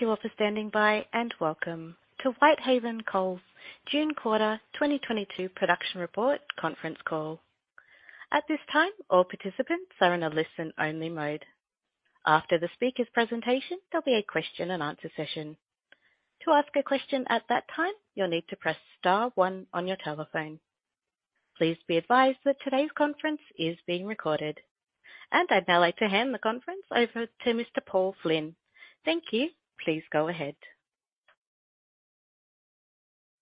Thank you all for standing by and welcome to Whitehaven Coal's June Quarter 2022 production report conference call. At this time, all participants are in a listen-only mode. After the speaker's presentation, there'll be a question-and-answer session. To ask a question at that time, you'll need to press star one on your telephone. Please be advised that today's conference is being recorded, and I'd now like to hand the conference over to Mr. Paul Flynn. Thank you. Please go ahead.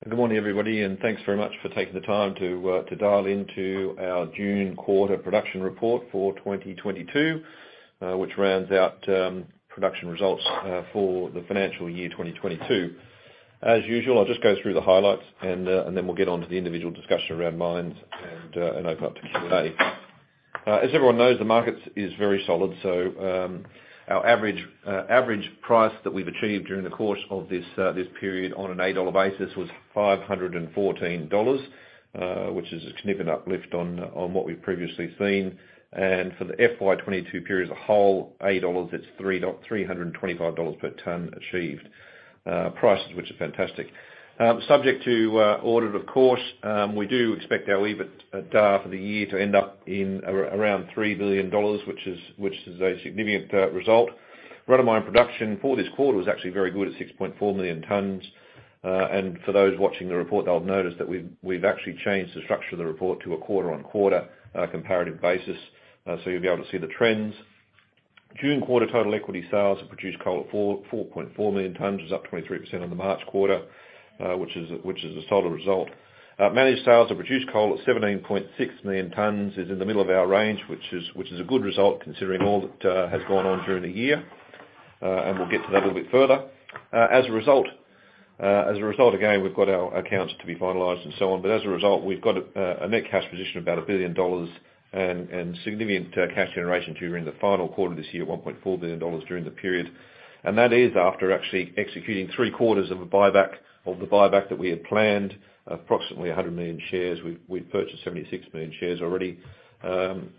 Good morning, everybody, and thanks very much for taking the time to dial into our June Quarter production report for 2022, which rounds out production results for the financial year 2022. As usual, I'll just go through the highlights, and then we'll get on to the individual discussion around mines and open up to Q&A. As everyone knows, the market is very solid, so our average price that we've achieved during the course of this period on an equity basis was $514, which is a significant uplift on what we've previously seen, and for the FY22 period as a whole, API 8, it's $325 per tonne achieved prices, which are fantastic. Subject to audit, of course, we do expect our EBITDA for the year to end up in around $3 billion, which is a significant result. Run-of-mine production for this quarter was actually very good at 6.4 million tonnes. For those watching the report, they'll notice that we've actually changed the structure of the report to a quarter-on-quarter comparative basis, so you'll be able to see the trends. June quarter total equity sales have produced coal at 4.4 million tonnes, was up 23% on the March quarter, which is a solid result. Managed sales have produced coal at 17.6 million tonnes, is in the middle of our range, which is a good result considering all that has gone on during the year, and we'll get to that a little bit further. As a result, again, we've got our accounts to be finalised and so on, but as a result, we've got a net cash position of about $1 billion and significant cash generation during the final quarter of this year, $1.4 billion during the period. That is after actually executing three quarters of the buyback that we had planned, approximately 100 million shares. We've purchased 76 million shares already,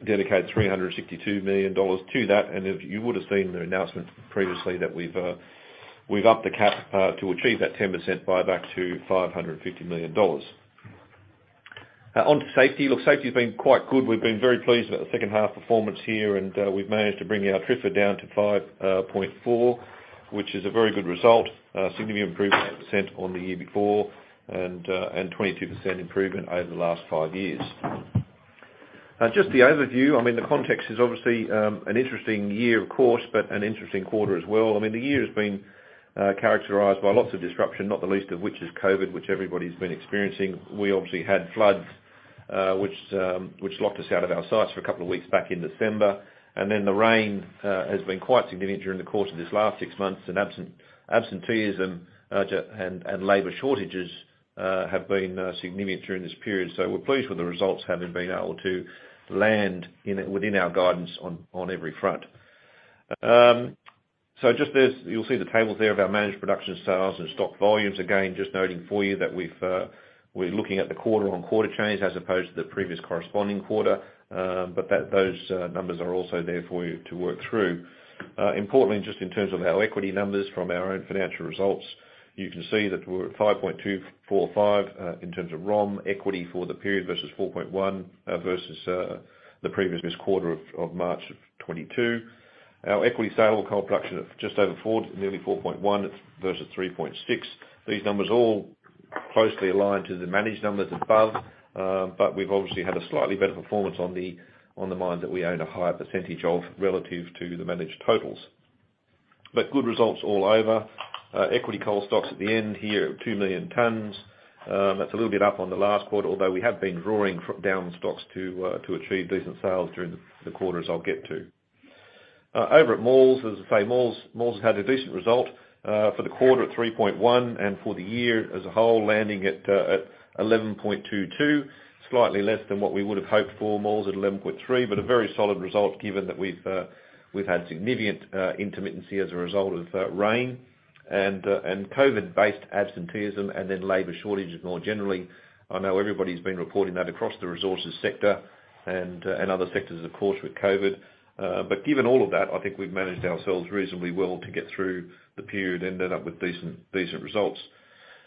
dedicated 362 million dollars to that. You would have seen the announcement previously that we've upped the cap to achieve that 10% buyback to 550 million dollars. Onto safety. Look, safety has been quite good. We've been very pleased about the second half performance here, and we've managed to bring our TRIFR down to 5.4, which is a very good result, a significant improvement of 10% on the year before and 22% improvement over the last five years. Just the overview, I mean, the context is obviously an interesting year, of course, but an interesting quarter as well. I mean, the year has been characterized by lots of disruption, not the least of which is COVID, which everybody's been experiencing. We obviously had floods, which locked us out of our sites for a couple of weeks back in December, and then the rain has been quite significant during the course of this last six months, and absenteeism and labor shortages have been significant during this period, so we're pleased with the results having been able to land within our guidance on every front, so just you'll see the tables there of our managed production sales and stock volumes. Again, just noting for you that we're looking at the quarter-on-quarter change as opposed to the previous corresponding quarter, but those numbers are also there for you to work through. Importantly, just in terms of our equity numbers from our own financial results, you can see that we're at 5.245 in terms of ROM equity for the period versus 4.1 versus the previous quarter of March of 2022. Our equity sale of coal production is just over nearly 4.1 versus 3.6. These numbers all closely align to the managed numbers above, but we've obviously had a slightly better performance on the mines that we own a higher percentage of relative to the managed totals. But good results all over. Equity coal stocks at the end here are 2 million tonnes. That's a little bit up on the last quarter, although we have been drawing down stocks to achieve decent sales during the quarters I'll get to. Over at Maules, as I say, Maules has had a decent result for the quarter at 3.1 and for the year as a whole, landing at 11.22, slightly less than what we would have hoped for. Maules at 11.3, but a very solid result given that we've had significant intermittency as a result of rain and COVID-based absenteeism and then labor shortages more generally. I know everybody's been reporting that across the resources sector and other sectors, of course, with COVID, but given all of that, I think we've managed ourselves reasonably well to get through the period and ended up with decent results.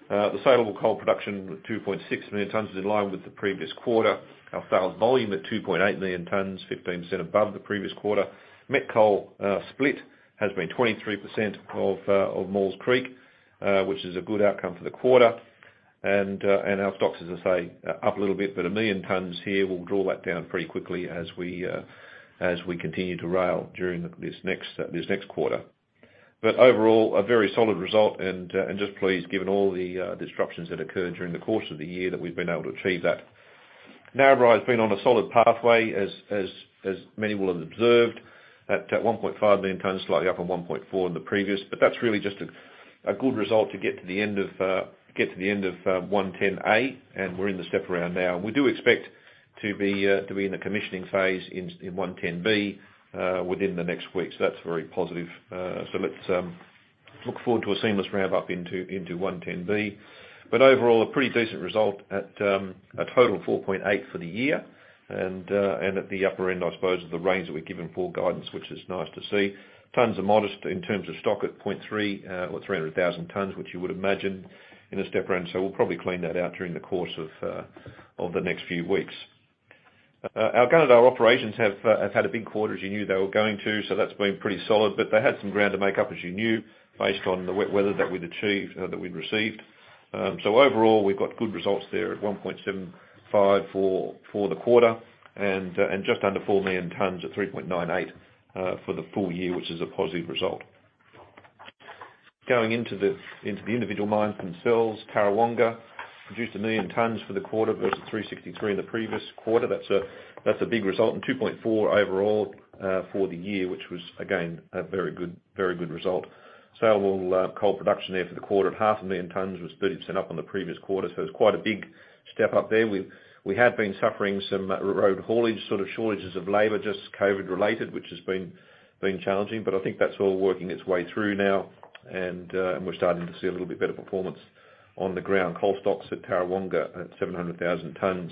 The saleable coal production at 2.6 million tonnes is in line with the previous quarter. Our sales volume at 2.8 million tonnes, 15% above the previous quarter. Met coal split has been 23% of Maules Creek, which is a good outcome for the quarter, and our stocks, as I say, up a little bit, but a million tonnes here. We'll draw that down pretty quickly as we continue to rail during this next quarter, but overall, a very solid result. Just pleased, given all the disruptions that occurred during the course of the year, that we've been able to achieve that. Now, Narrabri has been on a solid pathway, as many will have observed, at 1.5 million tonnes, slightly up on 1.4 in the previous. But that's really just a good result to get to the end of 110A, and we're in the step around now. We do expect to be in the commissioning phase in 110B within the next week. So that's very positive. So let's look forward to a seamless ramp up into 110B. But overall, a pretty decent result at a total of 4.8 for the year. At the upper end, I suppose, of the range that we're given for guidance, which is nice to see. Tonnes are modest in terms of stock at 0.3 or 300,000 tonnes, which you would imagine in a step-around. We'll probably clean that out during the course of the next few weeks. Our Gunnedah and our operations have had a big quarter, as you knew they were going to, so that's been pretty solid. But they had some ground to make up, as you knew, based on the wet weather that we'd achieved, that we'd received. Overall, we've got good results there at 1.75 for the quarter and just under 4 million tonnes at 3.98 for the full year, which is a positive result. Going into the individual mines themselves, Tarrawonga produced 1 million tonnes for the quarter versus 363 in the previous quarter. That's a big result and 2.4 overall for the year, which was, again, a very good result. Saleable coal production there for the quarter at 500,000 tonnes was 30% up on the previous quarter. So it's quite a big step up there. We had been suffering some road haulage sort of shortages of labour, just COVID-related, which has been challenging. But I think that's all working its way through now, and we're starting to see a little bit better performance on the ground. Coal stocks at Tarrawonga at 700,000 tonnes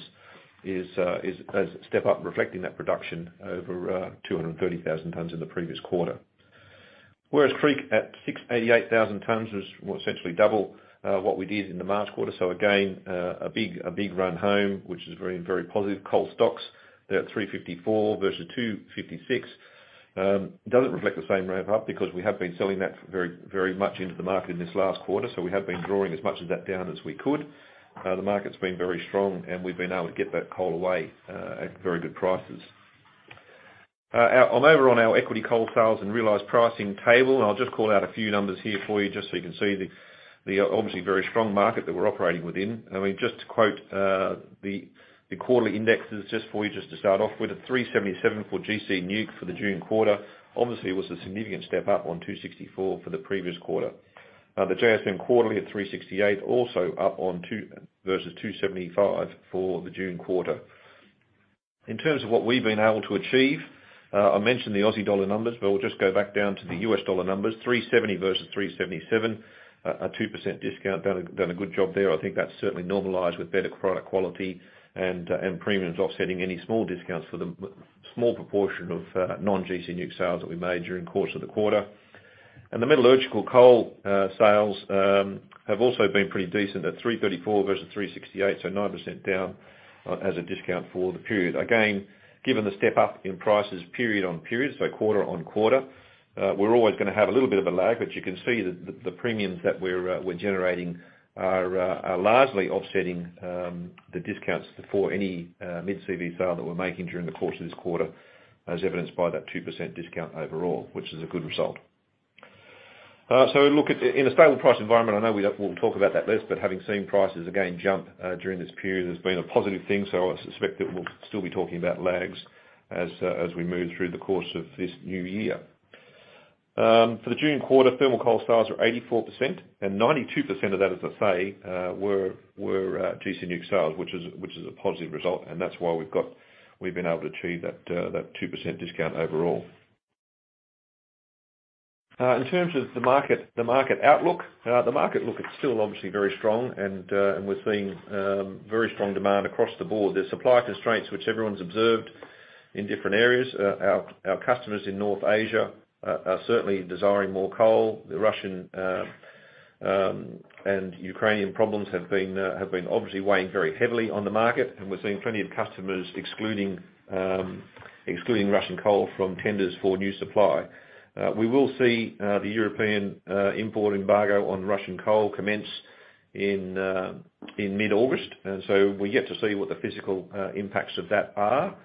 is a step up, reflecting that production over 230,000 tonnes in the previous quarter. Werris Creek at 88,000 tonnes was essentially double what we did in the March quarter. So again, a big run home, which is very positive. Coal stocks there at 354 versus 256 doesn't reflect the same ramp up because we have been selling that very much into the market in this last quarter. So we have been drawing as much of that down as we could. The market's been very strong, and we've been able to get that coal away at very good prices. I'm over on our export coal sales and realized pricing table, and I'll just call out a few numbers here for you just so you can see the obviously very strong market that we're operating within. I mean, just to quote the quarterly indexes just for you, just to start off with, at 377 for gC NEWC for the June quarter, obviously was a significant step up on 264 for the previous quarter. The JSM Quarterly at 368, also up on versus 275 for the June quarter. In terms of what we've been able to achieve, I mentioned the Aussie dollar numbers, but we'll just go back down to the US dollar numbers. 370 versus 377, a 2% discount, done a good job there. I think that's certainly normalised with better product quality and premiums offsetting any small discounts for the small proportion of non-gC NEWC sales that we made during the course of the quarter. And the metallurgical coal sales have also been pretty decent at 334 versus 368, so 9% down as a discount for the period. Again, given the step up in prices period on period, so quarter on quarter, we're always going to have a little bit of a lag, but you can see that the premiums that we're generating are largely offsetting the discounts for any mid-CV sale that we're making during the course of this quarter, as evidenced by that 2% discount overall, which is a good result. In a stable price environment, I know we'll talk about that list, but having seen prices again jump during this period has been a positive thing. I suspect that we'll still be talking about lags as we move through the course of this new year. For the June quarter, thermal coal sales were 84%, and 92% of that, as I say, were gC NEWC sales, which is a positive result, and that's why we've been able to achieve that 2% discount overall. In terms of the market outlook, the market outlook is still obviously very strong, and we're seeing very strong demand across the board. There's supply constraints, which everyone's observed in different areas. Our customers in North Asia are certainly desiring more coal. The Russian and Ukrainian problems have been obviously weighing very heavily on the market, and we're seeing plenty of customers excluding Russian coal from tenders for new supply. We will see the European import embargo on Russian coal commence in mid-August, and so we get to see what the physical impacts of that are,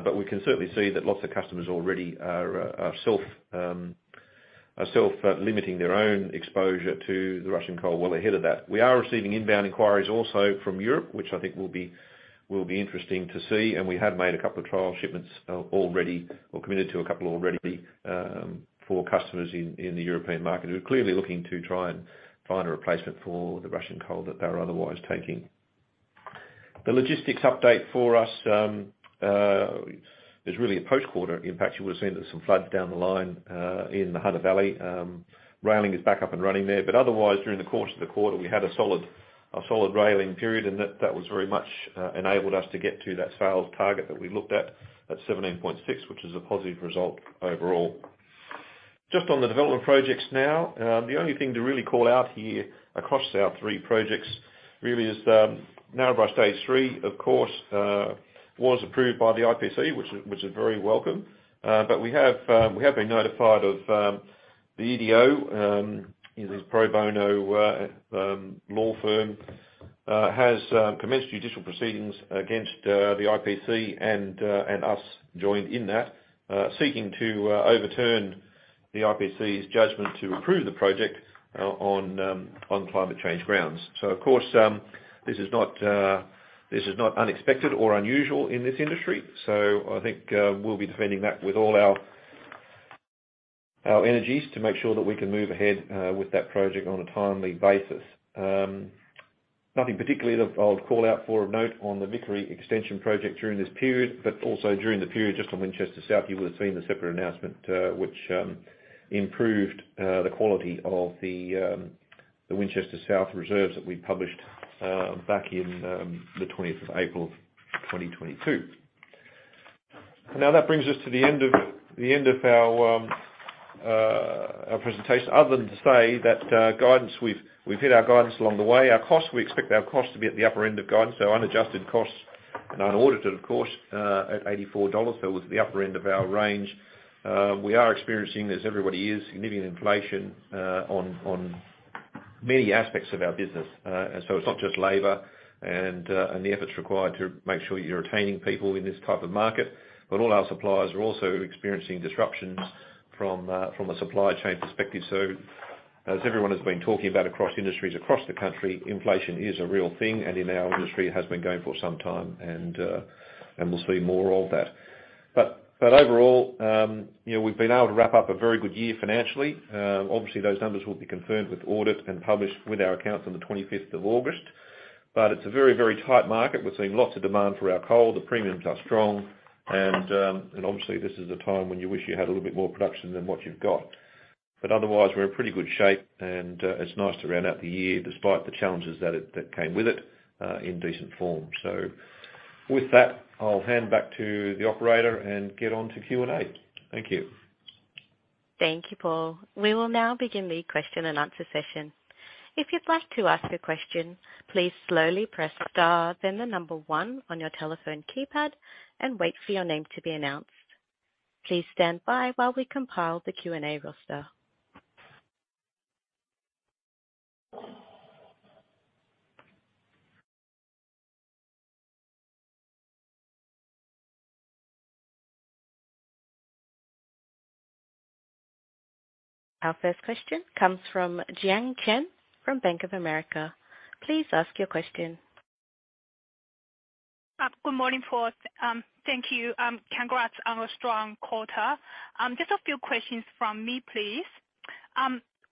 but we can certainly see that lots of customers already are self-limiting their own exposure to the Russian coal well ahead of that. We are receiving inbound inquiries also from Europe, which I think will be interesting to see, and we had made a couple of trial shipments already or committed to a couple already for customers in the European market who are clearly looking to try and find a replacement for the Russian coal that they're otherwise taking. The logistics update for us is really a post-quarter impact. You would have seen there's some floods down the line in the Hunter Valley. Railing is back up and running there, but otherwise, during the course of the quarter, we had a solid railing period, and that was very much enabled us to get to that sales target that we looked at at 17.6, which is a positive result overall. Just on the development projects now, the only thing to really call out here across our three projects really is Narrabri Stage 3, of course, was approved by the IPC, which is very welcome, but we have been notified of the EDO, this pro bono law firm has commenced judicial proceedings against the IPC and us joined in that, seeking to overturn the IPC's judgment to approve the project on climate change grounds. Of course, this is not unexpected or unusual in this industry, so I think we'll be defending that with all our energies to make sure that we can move ahead with that project on a timely basis. Nothing particularly I'll call out for of note on the Vickery Extension Project during this period, but also during the period just on Winchester South, you would have seen the separate announcement which improved the quality of the Winchester South reserves that we published back in the 20th of April 2022. Now, that brings us to the end of our presentation, other than to say that guidance, we've hit our guidance along the way. Our costs, we expect our costs to be at the upper end of guidance, so unadjusted costs and unhedged, of course, at 84 dollars, so it's the upper end of our range. We are experiencing, as everybody is, significant inflation on many aspects of our business. So it's not just labor and the efforts required to make sure you're retaining people in this type of market, but all our suppliers are also experiencing disruptions from a supply chain perspective. So, as everyone has been talking about across industries across the country, inflation is a real thing, and in our industry, it has been going for some time, and we'll see more of that. But overall, we've been able to wrap up a very good year financially. Obviously, those numbers will be confirmed with audit and published with our accounts on the 25th of August, but it's a very, very tight market. We've seen lots of demand for our coal. The premiums are strong, and obviously, this is a time when you wish you had a little bit more production than what you've got. But otherwise, we're in pretty good shape, and it's nice to round out the year despite the challenges that came with it in decent form. So with that, I'll hand back to the operator and get on to Q&A. Thank you. Thank you, Paul. We will now begin the question and answer session. If you'd like to ask a question, please slowly press star, then the number one on your telephone keypad, and wait for your name to be announced. Please stand by while we compile the Q&A roster. Our first question comes from Jiang Chen from Bank of America. Please ask your question. Good morning, Paul. Thank you. Congrats on a strong quarter. Just a few questions from me, please.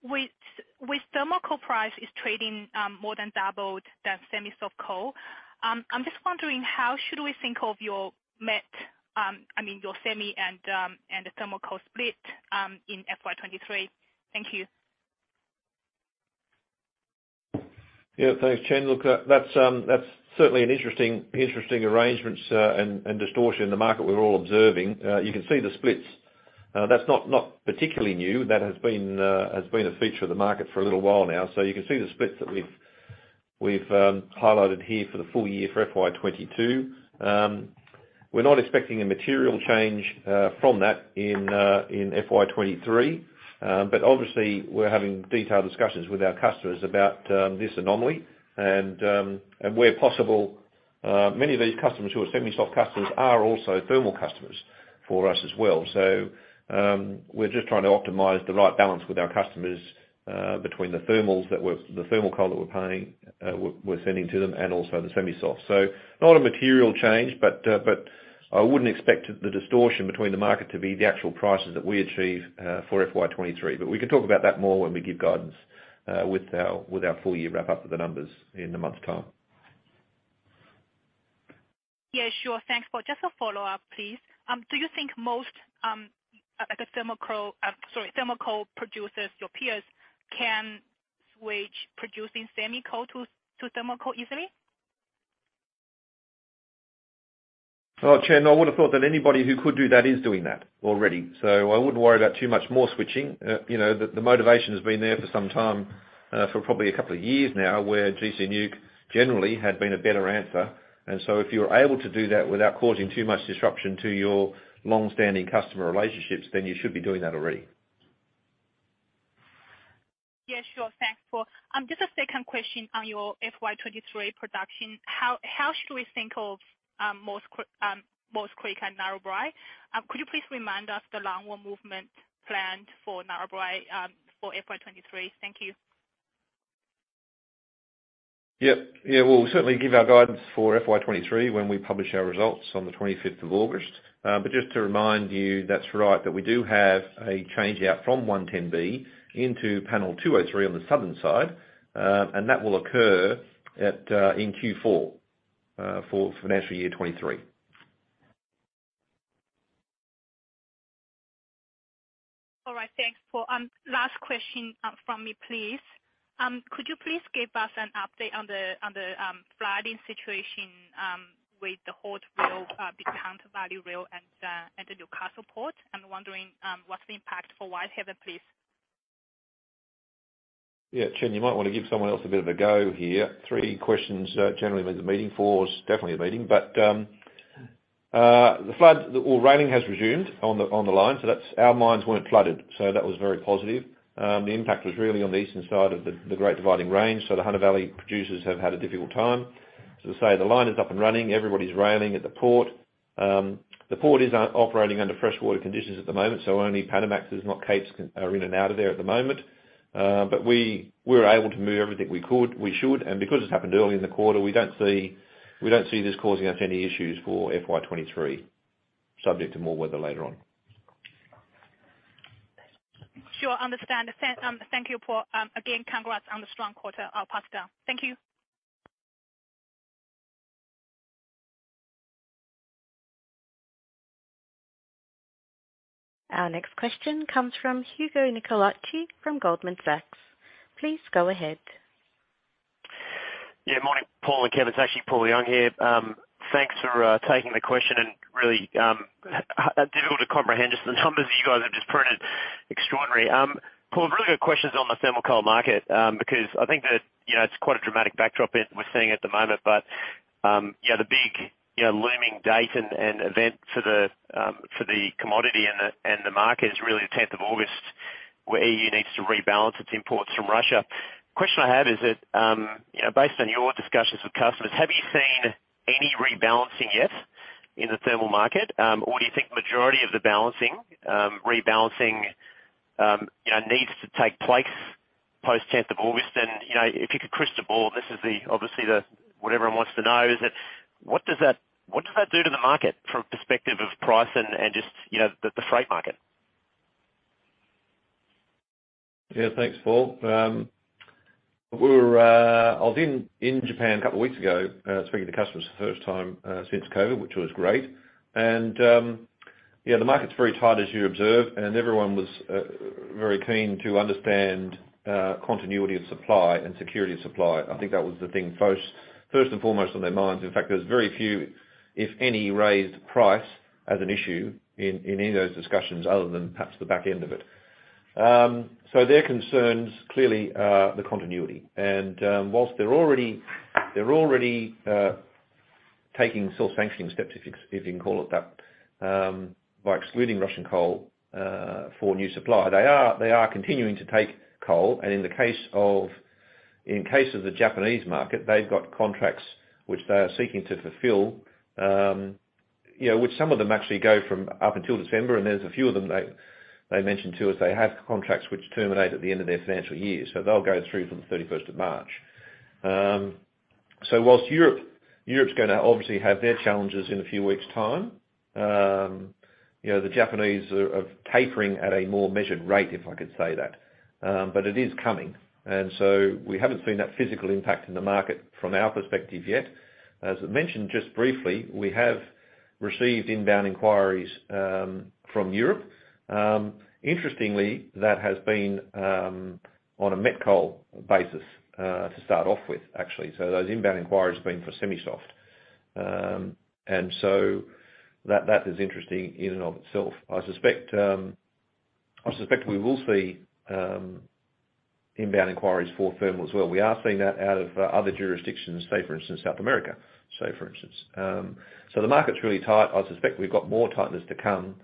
With thermal coal price trading more than doubled than semi soft coal, I'm just wondering how should we think of your met, I mean, your semi and the thermal coal split in FY23? Thank you. Yeah, thanks, Chen. Look, that's certainly an interesting arrangement and distortion in the market we're all observing. You can see the splits. That's not particularly new. That has been a feature of the market for a little while now. So you can see the splits that we've highlighted here for the full year for FY22. We're not expecting a material change from that in FY23, but obviously, we're having detailed discussions with our customers about this anomaly. And where possible, many of these customers who are semi soft customers are also thermal customers for us as well. So we're just trying to optimize the right balance with our customers between the thermal coal that we're paying, we're sending to them, and also the semi soft. So not a material change, but I wouldn't expect the distortion between the market to be the actual prices that we achieve for FY23. But we can talk about that more when we give guidance with our full year wrap up of the numbers in a month's time. Yeah, sure. Thanks, Paul. Just a follow-up, please. Do you think most, sorry, thermal coal producers, your peers, can switch producing semi coal to thermal coal easily? Chen, I would have thought that anybody who could do that is doing that already. So I wouldn't worry about too much more switching. The motivation has been there for some time, for probably a couple of years now, where gC NEWC generally had been a better answer. And so if you're able to do that without causing too much disruption to your long-standing customer relationships, then you should be doing that already. Yeah, sure. Thanks, Paul. Just a second question on your FY23 production. How should we think of Maules Creek and Narrabri? Could you please remind us the longwall movement planned for Narrabri for FY23? Thank you. Yeah. Yeah, we'll certainly give our guidance for FY23 when we publish our results on the 25th of August. But just to remind you, that's right, that we do have a change out from 110B into Panel 203 on the southern side, and that will occur in Q4 for financial year 23. All right. Thanks, Paul. Last question from me, please. Could you please give us an update on the flooding situation with the Hunter Rail, Hunter Valley Rail, and the Newcastle Port? I'm wondering what's the impact for Whitehaven, please. Yeah, Chen, you might want to give someone else a bit of a go here. Three questions generally means a meeting for us. Definitely a meeting. But the railing has resumed on the line, so our mines weren't flooded, so that was very positive. The impact was really on the eastern side of the Great Dividing Range, so the Hunter Valley producers have had a difficult time. As I say, the line is up and running. Everybody's railing at the port. The port is operating under freshwater conditions at the moment, so only Panamaxes, not Capes, are in and out of there at the moment. But we were able to move everything we could, we should, and because it's happened early in the quarter, we don't see this causing us any issues for FY23, subject to more weather later on. Sure. Understood. Thank you, Paul. Again, congrats on the strong quarter. I'll pass it down. Thank you. Our next question comes from Hugo Nicolaci from Goldman Sachs. Please go ahead. Yeah, morning, Paul and Kevin. It's actually Paul Young here. Thanks for taking the question, and really difficult to comprehend just the numbers you guys have just printed, extraordinary. Paul, really good questions on the thermal coal market because I think that it's quite a dramatic backdrop we're seeing at the moment, but the big looming date and event for the commodity and the market is really the 10th of August, where EU needs to rebalance its imports from Russia. Question I have is that, based on your discussions with customers, have you seen any rebalancing yet in the thermal market, or do you think the majority of the rebalancing needs to take place post 10th of August? And if you could crystal ball, this is obviously what everyone wants to know, is that what does that do to the market from a perspective of price and just the freight market? Yeah, thanks, Paul. I was in Japan a couple of weeks ago, speaking to customers for the first time since COVID, which was great. And yeah, the market's very tight, as you observe, and everyone was very keen to understand continuity of supply and security of supply. I think that was the thing first and foremost on their minds. In fact, there's very few, if any, raised price as an issue in any of those discussions other than perhaps the back end of it. So their concern's clearly the continuity. And while they're already taking sourcing sanctioning steps, if you can call it that, by excluding Russian coal for new supply, they are continuing to take coal. And in the case of the Japanese market, they've got contracts which they are seeking to fulfill, which some of them actually go up until December, and there's a few of them they mentioned to us they have contracts which terminate at the end of their financial year. So they'll go through to the 31st of March. So whilst Europe's going to obviously have their challenges in a few weeks' time, the Japanese are tapering at a more measured rate, if I could say that, but it is coming. And so we haven't seen that physical impact in the market from our perspective yet. As I mentioned just briefly, we have received inbound inquiries from Europe. Interestingly, that has been on a met coal basis to start off with, actually. So those inbound inquiries have been for semi soft. And so that is interesting in and of itself. I suspect we will see inbound inquiries for thermal as well. We are seeing that out of other jurisdictions, say, for instance, South America, say, for instance. So the market's really tight. I suspect we've got more tightness to come.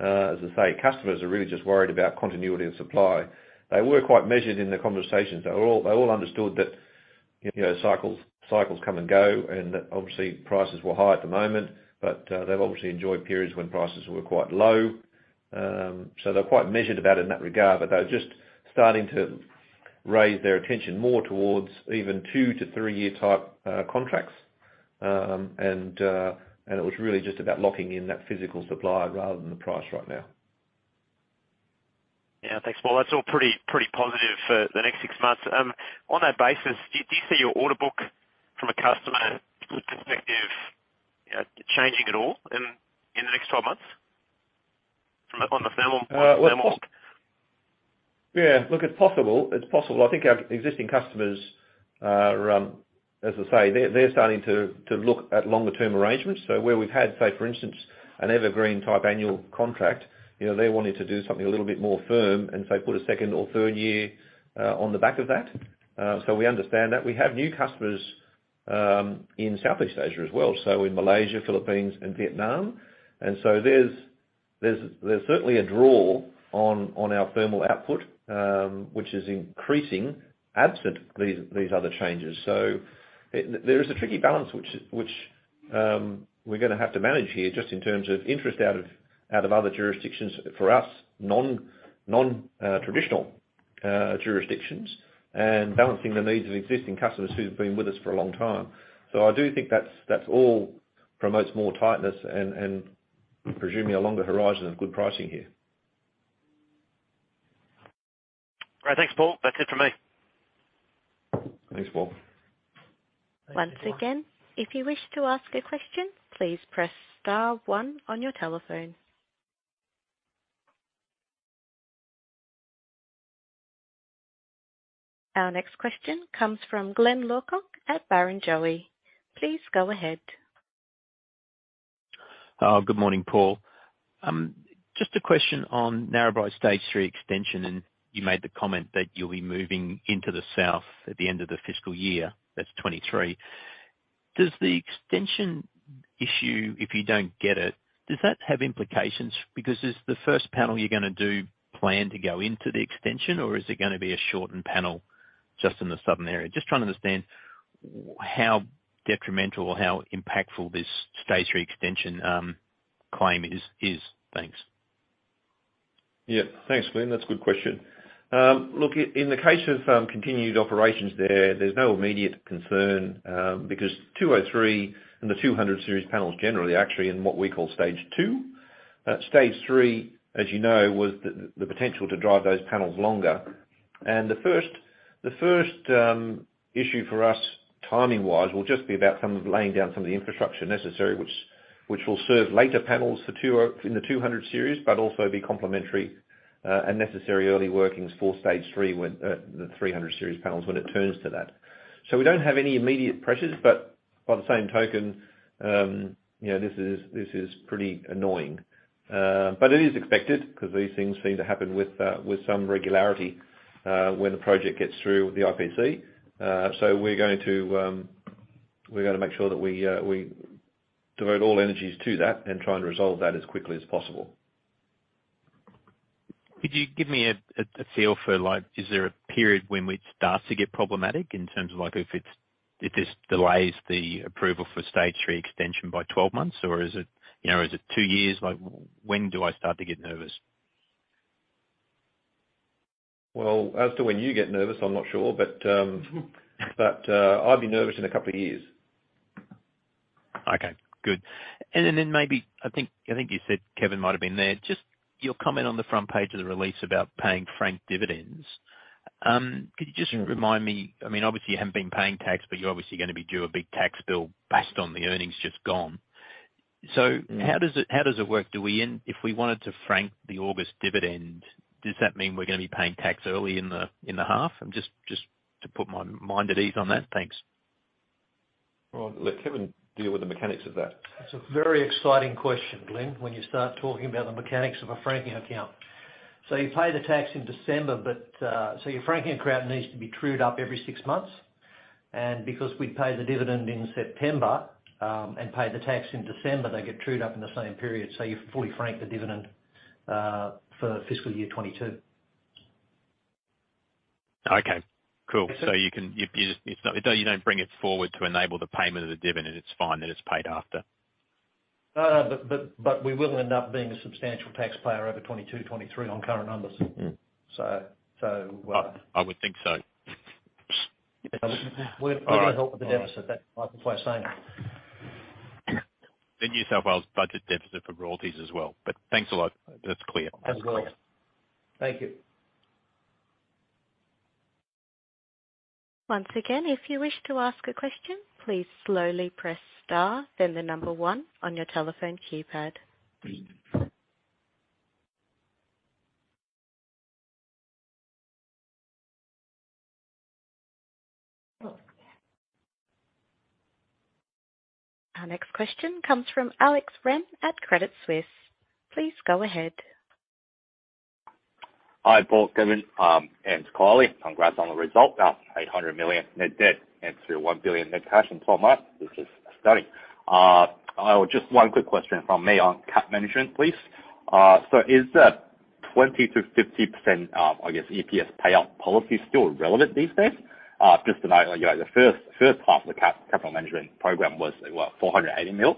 As I say, customers are really just worried about continuity of supply. They were quite measured in the conversations. They all understood that cycles come and go, and that obviously prices were high at the moment, but they've obviously enjoyed periods when prices were quite low. So they're quite measured about it in that regard, but they're just starting to raise their attention more towards even two- to three-year type contracts, and it was really just about locking in that physical supply rather than the price right now. Yeah, thanks, Paul. That's all pretty positive for the next six months. On that basis, do you see your order book from a customer perspective changing at all in the next 12 months on the thermal stock? Yeah. Look, it's possible. I think our existing customers, as I say, they're starting to look at longer-term arrangements. So where we've had, say, for instance, an evergreen type annual contract, they wanted to do something a little bit more firm and, say, put a second or third year on the back of that. So we understand that. We have new customers in Southeast Asia as well, so in Malaysia, Philippines, and Vietnam. And so there's certainly a draw on our thermal output, which is increasing absent these other changes. So there is a tricky balance which we're going to have to manage here just in terms of interest out of other jurisdictions for us, non-traditional jurisdictions, and balancing the needs of existing customers who've been with us for a long time. So I do think that's all promotes more tightness and presumably a longer horizon of good pricing here. All right. Thanks, Paul. That's it from me. Thanks, Paul. Once again, if you wish to ask a question, please press star one on your telephone. Our next question comes from Glyn Lawcock at Barrenjoey. Please go ahead. Good morning, Paul. Just a question on Narrabri Stage 3 extension, and you made the comment that you'll be moving into the south at the end of the fiscal year. That's '23. Does the extension issue, if you don't get it, does that have implications? Because is the first panel you're going to do planned to go into the extension, or is it going to be a shortened panel just in the southern area? Just trying to understand how detrimental or how impactful this Stage 3 extension claim is. Thanks. Yeah. Thanks, Glyn. That's a good question. Look, in the case of continued operations, there's no immediate concern because 203 and the 200 series panels generally are actually in what we call Stage 2. Stage 3, as you know, was the potential to drive those panels longer. And the first issue for us, timing-wise, will just be about laying down some of the infrastructure necessary, which will serve later panels in the 200 series, but also be complementary and necessary early workings for Stage 3, the 300 series panels when it turns to that. So we don't have any immediate pressures, but by the same token, this is pretty annoying. But it is expected because these things seem to happen with some regularity when the project gets through the IPC. We're going to make sure that we devote all energies to that and try and resolve that as quickly as possible. Could you give me a feel for is there a period when it starts to get problematic in terms of if this delays the approval for Stage 3 extension by 12 months, or is it two years? When do I start to get nervous? As to when you get nervous, I'm not sure, but I'll be nervous in a couple of years. Okay. Good. And then maybe I think you said Kevin might have been there. Just your comment on the front page of the release about paying franked dividends. Could you just remind me? I mean, obviously, you haven't been paying tax, but you're obviously going to be due a big tax bill based on the earnings just gone. So how does it work? If we wanted to frank the August dividend, does that mean we're going to be paying tax early in the half? Just to put my mind at ease on that. Thanks. Let Kevin deal with the mechanics of that. It's a very exciting question, Glyn, when you start talking about the mechanics of a franking account. So you pay the tax in December, but so your franking account needs to be trued up every six months. And because we pay the dividend in September and pay the tax in December, they get trued up in the same period. So you fully frank the dividend for fiscal year 2022. Okay. Cool. So you don't bring it forward to enable the payment of the dividend. It's fine that it's paid after. But we will end up being a substantial taxpayer over 2022, 2023 on current numbers. So we'll have to. I would think so. We'll help with the deficit. That's why I'm saying. The New South Wales budget deficit for royalties as well. But thanks a lot. That's clear. Thank you. Once again, if you wish to ask a question, please slowly press star, then the number one on your telephone keypad. Our next question comes from Alex Wrenn at Credit Suisse. Please go ahead. Hi, Paul, Kevin, and Kylie. Congrats on the result. 800 million net debt and through 1 billion net cash in 12 months. This is stunning. Just one quick question from me on cap management, please. So is the 20%-50%, I guess, EPS payout policy still relevant these days? Just to know, the first half of the capital management program was 480 million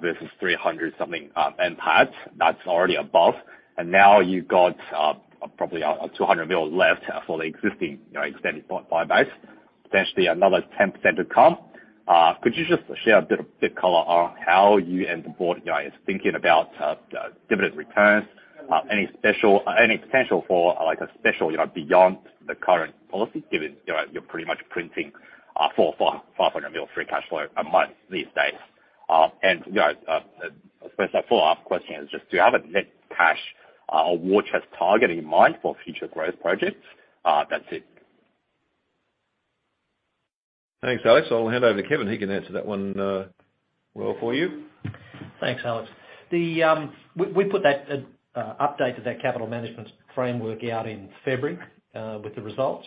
versus 300-something and basis points. That's already above. And now you've got probably 200 million left for the existing extended buyback. Potentially another 10% to come. Could you just share a bit of color on how you and the board is thinking about dividend returns? Any potential for a special beyond the current policy, given you're pretty much printing 4,500 million free cash flow a month these days? As far as that follow-up question is just, do you have a net cash or war chest target in mind for future growth projects? That's it. Thanks, Alex. I'll hand over to Kevin. He can answer that one well for you. Thanks, Alex. We put that update to that capital management framework out in February with the results.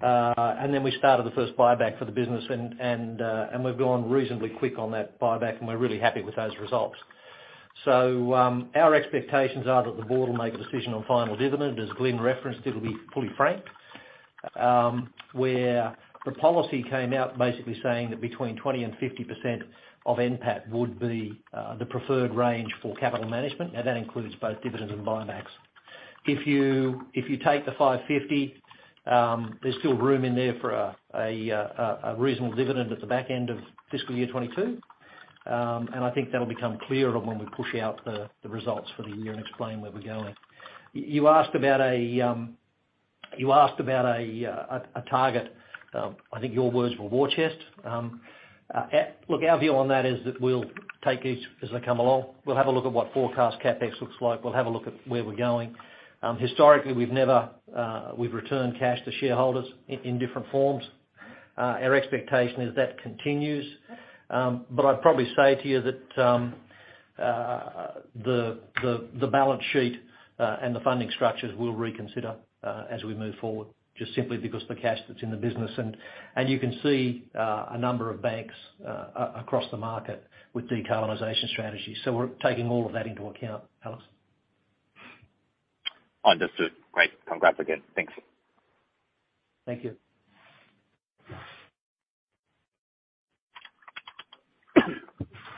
And then we started the first buyback for the business, and we've gone reasonably quick on that buyback, and we're really happy with those results. So our expectations are that the board will make a decision on final dividend. As Glyn referenced, it'll be fully franked. Where the policy came out basically saying that between 20%-50% of NPAT would be the preferred range for capital management. Now, that includes both dividends and buybacks. If you take the 550, there's still room in there for a reasonable dividend at the back end of fiscal year 2022. And I think that'll become clearer when we push out the results for the year and explain where we're going. You asked about a target. I think your words were war chest. Look, our view on that is that we'll take these as they come along. We'll have a look at what forecast CapEx looks like. We'll have a look at where we're going. Historically, we've returned cash to shareholders in different forms. Our expectation is that continues. But I'd probably say to you that the balance sheet and the funding structures will be reconsidered as we move forward, just simply because of the cash that's in the business. And you can see a number of banks across the market with decarbonization strategies. So we're taking all of that into account, Alex. Understood. Great. Congrats again. Thanks. Thank you.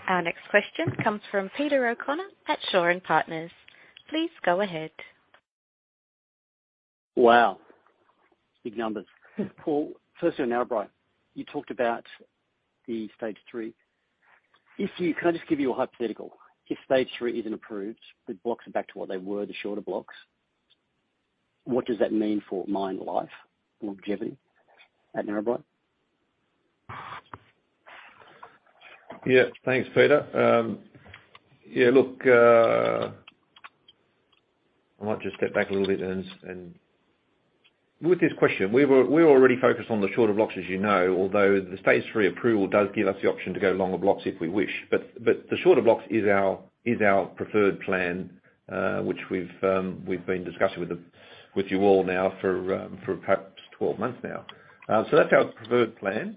Our next question comes from Peter O'Connor at Shaw and Partners. Please go ahead. Wow. Big numbers. Paul, firstly, on Narrabri, you talked about the Stage 3. Can I just give you a hypothetical? If Stage 3 isn't approved, the blocks are back to what they were, the shorter blocks, what does that mean for mine life longevity at Narrabri? Yeah. Thanks, Peter. Yeah. Look, I might just step back a little bit and with this question, we're already focused on the shorter blocks, as you know, although the Stage 3 approval does give us the option to go longer blocks if we wish. But the shorter blocks is our preferred plan, which we've been discussing with you all now for perhaps 12 months now. So that's our preferred plan.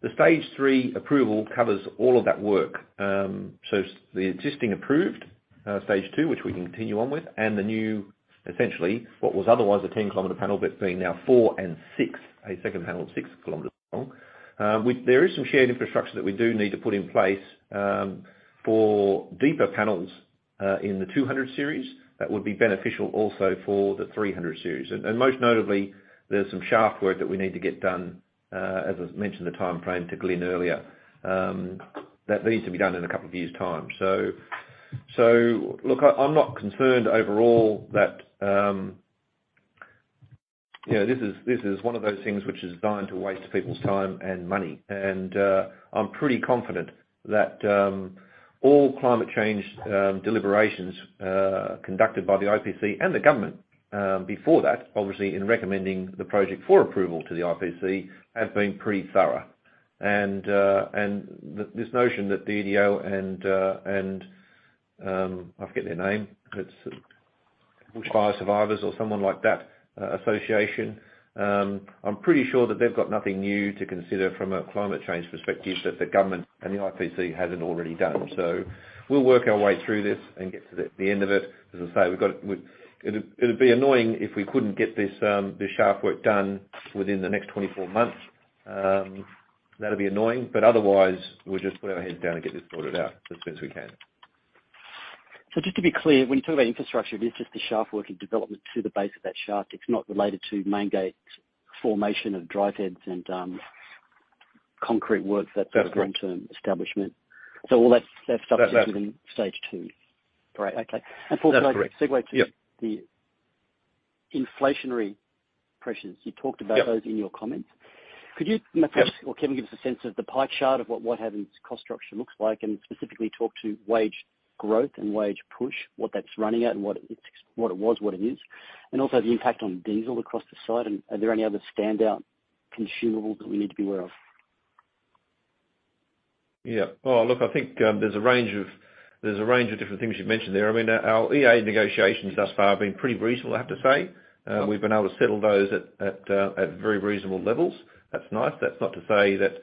The Stage 3 approval covers all of that work. So the existing approved Stage 2, which we can continue on with, and the new, essentially, what was otherwise a 10-kilometer panel, but being now 4 and 6, a second panel of 6 kilometers long. There is some shared infrastructure that we do need to put in place for deeper panels in the 200 series that would be beneficial also for the 300 series. Most notably, there's some shaft work that we need to get done, as I mentioned the timeframe to Glyn earlier. That needs to be done in a couple of years' time. Look, I'm not concerned overall that this is one of those things which is designed to waste people's time and money. I'm pretty confident that all climate change deliberations conducted by the IPC and the government before that, obviously in recommending the project for approval to the IPC, have been pretty thorough. This notion that the EDO and I forget their name, Bushfire Survivors for Climate Action or someone like that association, I'm pretty sure that they've got nothing new to consider from a climate change perspective that the government and the IPC hasn't already done. We'll work our way through this and get to the end of it. As I say, it'd be annoying if we couldn't get this shaft work done within the next 24 months. That'd be annoying. But otherwise, we'll just put our heads down and get this sorted out as soon as we can. So, just to be clear, when you talk about infrastructure, it is just the shaft work and development to the base of that shaft. It's not related to main gate formation of dry fence and concrete work that's a long-term establishment. So all that stuff is within Stage 2. Great. Okay. And Paul, can I segue to the inflationary pressures? You talked about those in your comments. Could you, Paul or Kevin, give us a sense of the pie chart of what the cost structure looks like and specifically talk to wage growth and wage push, what that's running at and what it was, what it is, and also the impact on diesel across the site? And are there any other standout consumables that we need to be aware of? Yeah. Well, look, I think there's a range of different things you've mentioned there. I mean, our EA negotiations thus far have been pretty reasonable, I have to say. We've been able to settle those at very reasonable levels. That's nice. That's not to say that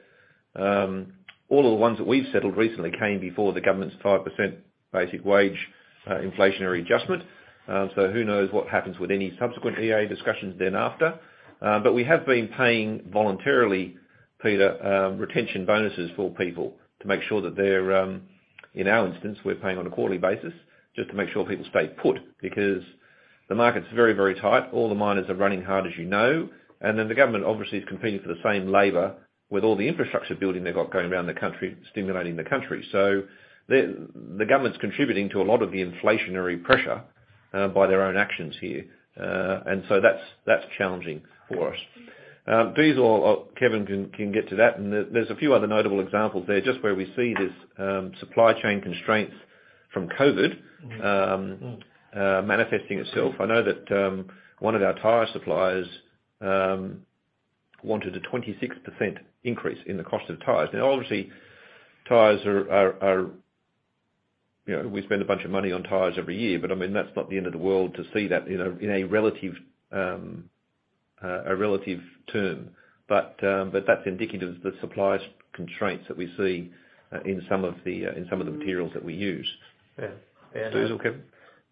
all of the ones that we've settled recently came before the government's 5% basic wage inflationary adjustment. So who knows what happens with any subsequent EA discussions thereafter? But we have been paying voluntarily, Peter, retention bonuses for people to make sure that they're in our instance, we're paying on a quarterly basis just to make sure people stay put because the market's very, very tight. All the miners are running hard, as you know. And then the government obviously is competing for the same labour with all the infrastructure building they've got going around the country, stimulating the country. The government's contributing to a lot of the inflationary pressure by their own actions here. And so that's challenging for us. Kevin can get to that. And there's a few other notable examples there just where we see this supply chain constraints from COVID manifesting itself. I know that one of our tire suppliers wanted a 26% increase in the cost of tires. Now, obviously, tires. We spend a bunch of money on tires every year, but I mean, that's not the end of the world to see that in a relative term. But that's indicative of the supply constraints that we see in some of the materials that we use. Yeah. And diesel, Kevin?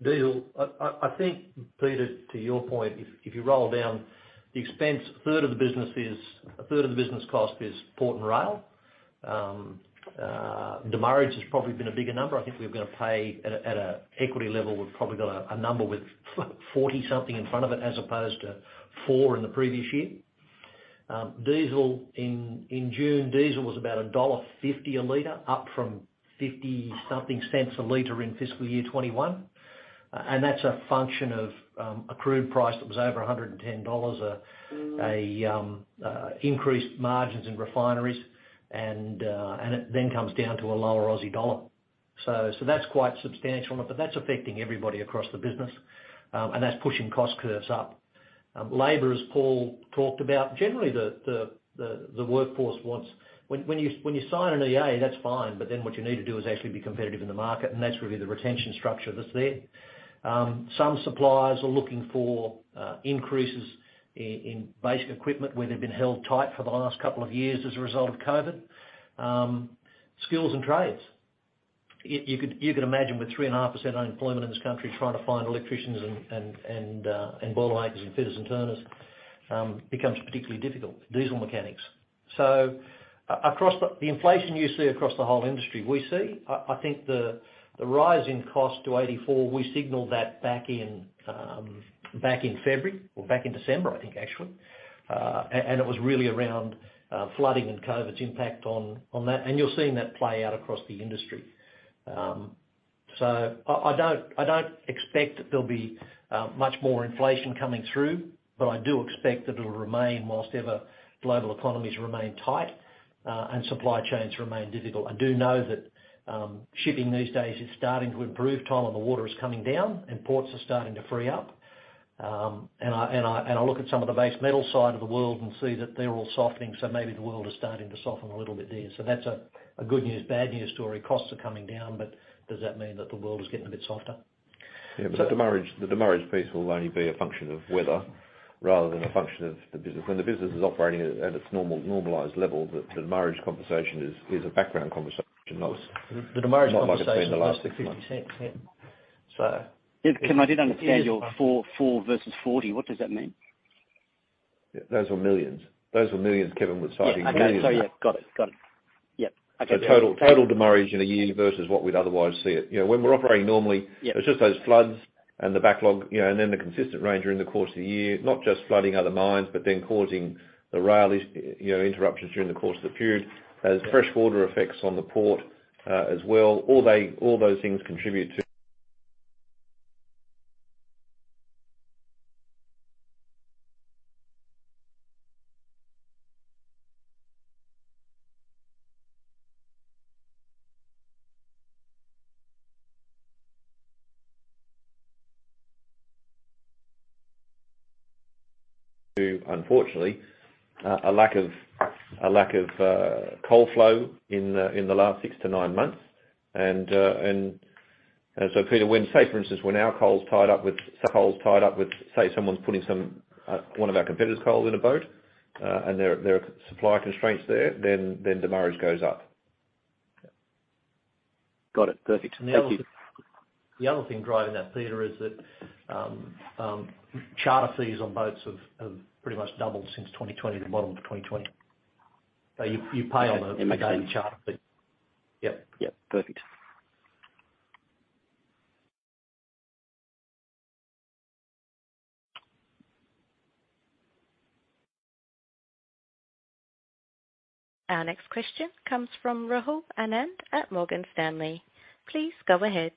Diesel, I think, Peter, to your point, if you roll down the expense, a third of the business cost is port and rail. Demurrage has probably been a bigger number. I think we're going to pay at an equity level, we've probably got a number with 40-something in front of it as opposed to 4 in the previous year. Diesel in June, diesel was about AUD 1.50 a liter, up from 50-something cents a liter in fiscal year 2021. And that's a function of crude price that was over $110, increased margins in refineries, and it then comes down to a lower Aussie dollar. So that's quite substantial on it, but that's affecting everybody across the business. And that's pushing cost curves up. Labor, as Paul talked about, generally the workforce wants when you sign an EA, that's fine, but then what you need to do is actually be competitive in the market, and that's really the retention structure that's there. Some suppliers are looking for increases in basic equipment where they've been held tight for the last couple of years as a result of COVID. Skills and trades. You could imagine with 3.5% unemployment in this country, trying to find electricians and boilermakers and fitters and turners becomes particularly difficult. Diesel mechanics. So the inflation you see across the whole industry, we see. I think the rise in cost to 84, we signalled that back in February or back in December, I think, actually, and it was really around flooding and COVID's impact on that, and you're seeing that play out across the industry. So I don't expect that there'll be much more inflation coming through, but I do expect that it'll remain while ever global economies remain tight and supply chains remain difficult. I do know that shipping these days is starting to improve. Time on the water is coming down, and ports are starting to free up. And I look at some of the base metal side of the world and see that they're all softening, so maybe the world is starting to soften a little bit there. So that's a good news, bad news story. Costs are coming down, but does that mean that the world is getting a bit softer? Yeah. But the demurrage piece will only be a function of weather rather than a function of the business. When the business is operating at its normalized level, the demurrage conversation is a background conversation. The demurrage conversation is about 60%. So. Kevin, I didn't understand your four versus 40. What does that mean? Those were millions. Those were millions, Kevin was citing. Millions. I think so, yeah. Got it. Got it. Yeah. Okay. Total demurrage in a year versus what we'd otherwise see it. When we're operating normally, it's just those floods and the backlog, and then the consistent rain during the course of the year, not just flooding other mines, but then causing the rail interruptions during the course of the period. There's fresh water effects on the port as well. All those things contribute to, unfortunately, a lack of coal flow in the last six-to-nine months. And so, Peter, say, for instance, when our coal's tied up with someone's putting one of our competitors' coal in a boat, and there are supply constraints there, then demurrage goes up. Got it. Perfect. Thank you. The other thing driving that, Peter, is that charter fees on boats have pretty much doubled since 2020, the bottom of 2020. So you pay on a daily charter fee. Yep. Yep. Perfect. Our next question comes from Rahul Anand at Morgan Stanley. Please go ahead.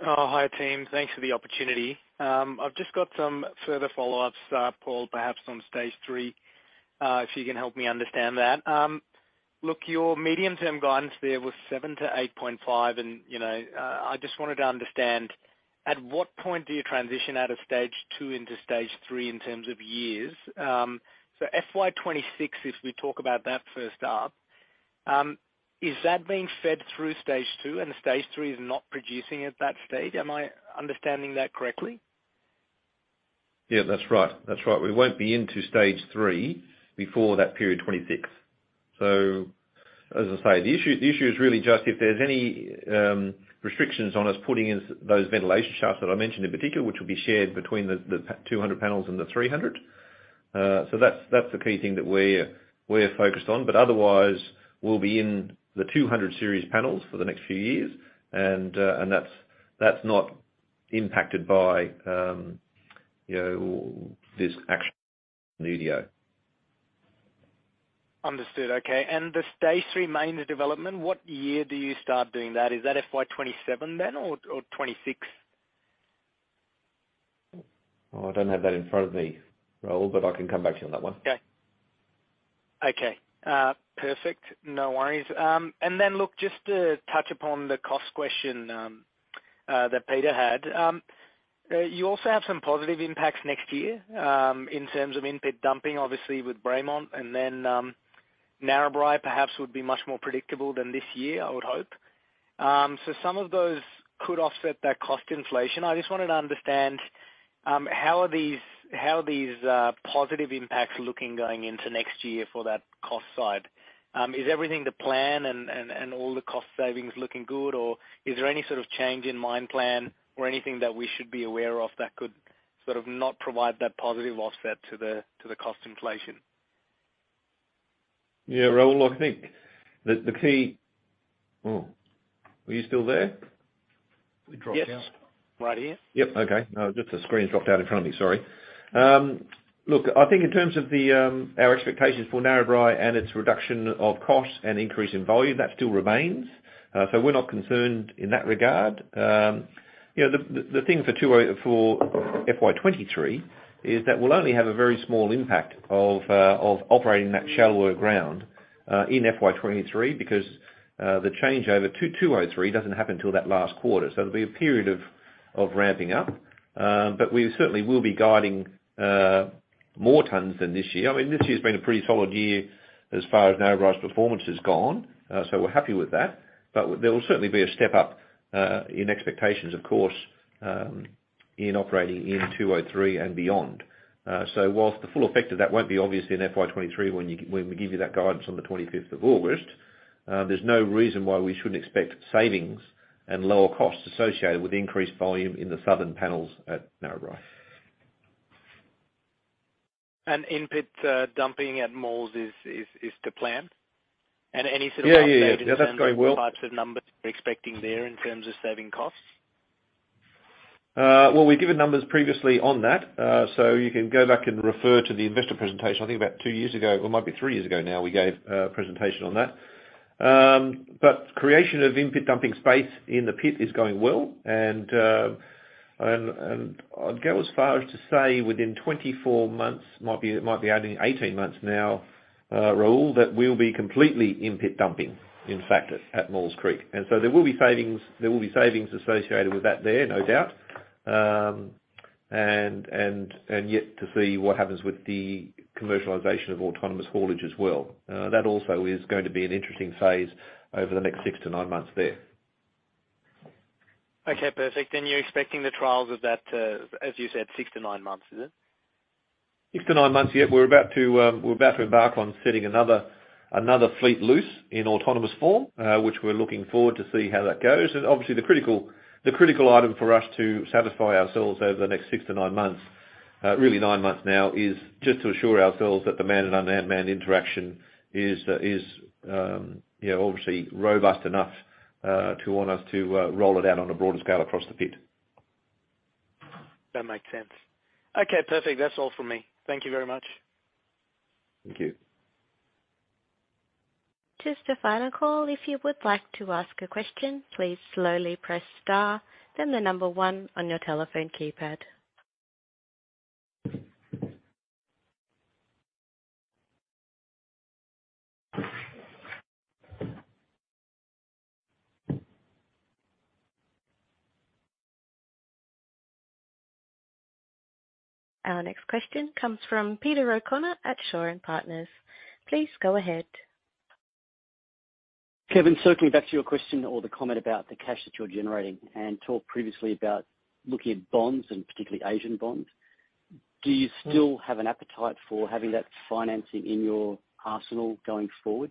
Hi, team. Thanks for the opportunity. I've just got some further follow-ups, Paul, perhaps on Stage 3, if you can help me understand that. Look, your medium-term guidance there was 7-8.5. And I just wanted to understand, at what point do you transition out of Stage 2 into Stage 3 in terms of years? So FY26, if we talk about that first up, is that being fed through Stage 2, and Stage 3 is not producing at that stage? Am I understanding that correctly? Yeah, that's right. That's right. We won't be into Stage 3 before that period 26. So, as I say, the issue is really just if there's any restrictions on us putting in those ventilation shafts that I mentioned in particular, which will be shared between the 200 panels and the 300. So that's the key thing that we're focused on. But otherwise, we'll be in the 200 series panels for the next few years, and that's not impacted by this action in the EDO. Understood. Okay. And the Stage 3 main development, what year do you start doing that? Is that FY 2027 then or 2026? I don't have that in front of me, Rahul, but I can come back to you on that one. Okay. Okay. Perfect. No worries. And then, look, just to touch upon the cost question that Peter had, you also have some positive impacts next year in terms of in-pit dumping, obviously, with ramp up. And then Narrabri perhaps would be much more predictable than this year, I would hope. So some of those could offset that cost inflation. I just wanted to understand, how are these positive impacts looking going into next year for that cost side? Is everything to plan and all the cost savings looking good, or is there any sort of change in mine plan or anything that we should be aware of that could sort of not provide that positive offset to the cost inflation? Yeah, Rahul, I think the key. Oh, are you still there? We dropped out. Yes. Right here. Yep. Okay. No, just the screen's dropped out in front of me. Sorry. Look, I think in terms of our expectations for Narrabri and its reduction of cost and increase in volume, that still remains. So we're not concerned in that regard. The thing for FY23 is that we'll only have a very small impact of operating that shallower ground in FY23 because the changeover to 203 doesn't happen until that last quarter. So there'll be a period of ramping up, but we certainly will be guiding more tons than this year. I mean, this year's been a pretty solid year as far as Narrabri's performance has gone, so we're happy with that. But there will certainly be a step up in expectations, of course, in operating in 203 and beyond. So while the full effect of that won't be obvious in FY23 when we give you that guidance on the 25th of August, there's no reason why we shouldn't expect savings and lower costs associated with increased volume in the southern panels at Narrabri. In-pit dumping at Maules is the plan? Any sort of updated. Yeah, yeah. Yeah, that's going well. In terms of numbers you're expecting there in terms of saving costs? We've given numbers previously on that. You can go back and refer to the investor presentation, I think about two years ago. It might be three years ago now we gave a presentation on that. Creation of in-pit dumping space in the pit is going well. I'd go as far as to say within 24 months, might be adding 18 months now, Rahul, that we'll be completely in-pit dumping, in fact, at Maules Creek. So there will be savings associated with that there, no doubt. Yet to see what happens with the commercialization of autonomous haulage as well. That also is going to be an interesting phase over the next six to nine months there. Okay. Perfect. And you're expecting the trials of that, as you said, six-to-nine months, is it? Six to nine months, yep. We're about to embark on setting another fleet loose in autonomous form, which we're looking forward to see how that goes, and obviously, the critical item for us to satisfy ourselves over the next six to nine months, really nine months now, is just to assure ourselves that the manned and unmanned interaction is obviously robust enough to want us to roll it out on a broader scale across the pit. That makes sense. Okay. Perfect. That's all from me. Thank you very much. Thank you. Just a final call. If you would like to ask a question, please slowly press star, then the number one on your telephone keypad. Our next question comes from Peter O'Connor at Shaw and Partners. Please go ahead. Kevin, circling back to your question or the comment about the cash that you're generating and talked previously about looking at bonds and particularly Asian bonds, do you still have an appetite for having that financing in your arsenal going forward?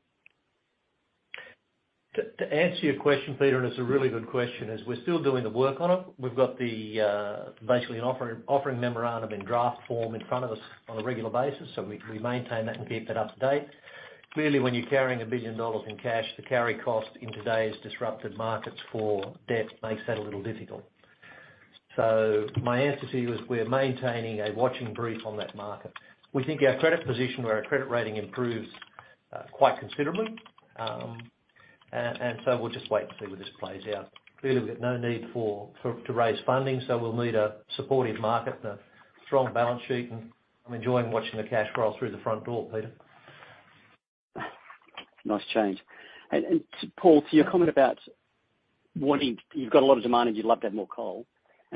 To answer your question, Peter, and it's a really good question. We're still doing the work on it. We've got basically an offering memorandum in draft form in front of us on a regular basis, so we maintain that and keep that up to date. Clearly, when you're carrying 1 billion dollars in cash, the carry cost in today's disrupted markets for debt makes that a little difficult. So my answer to you is we're maintaining a watching brief on that market. We think our credit position, where our credit rating improves quite considerably, and so we'll just wait and see where this plays out. Clearly, we've got no need to raise funding, so we'll need a supportive market, a strong balance sheet, and I'm enjoying watching the cash roll through the front door, Peter. Nice change. Paul, to your comment about wanting you've got a lot of demand and you'd love to have more coal.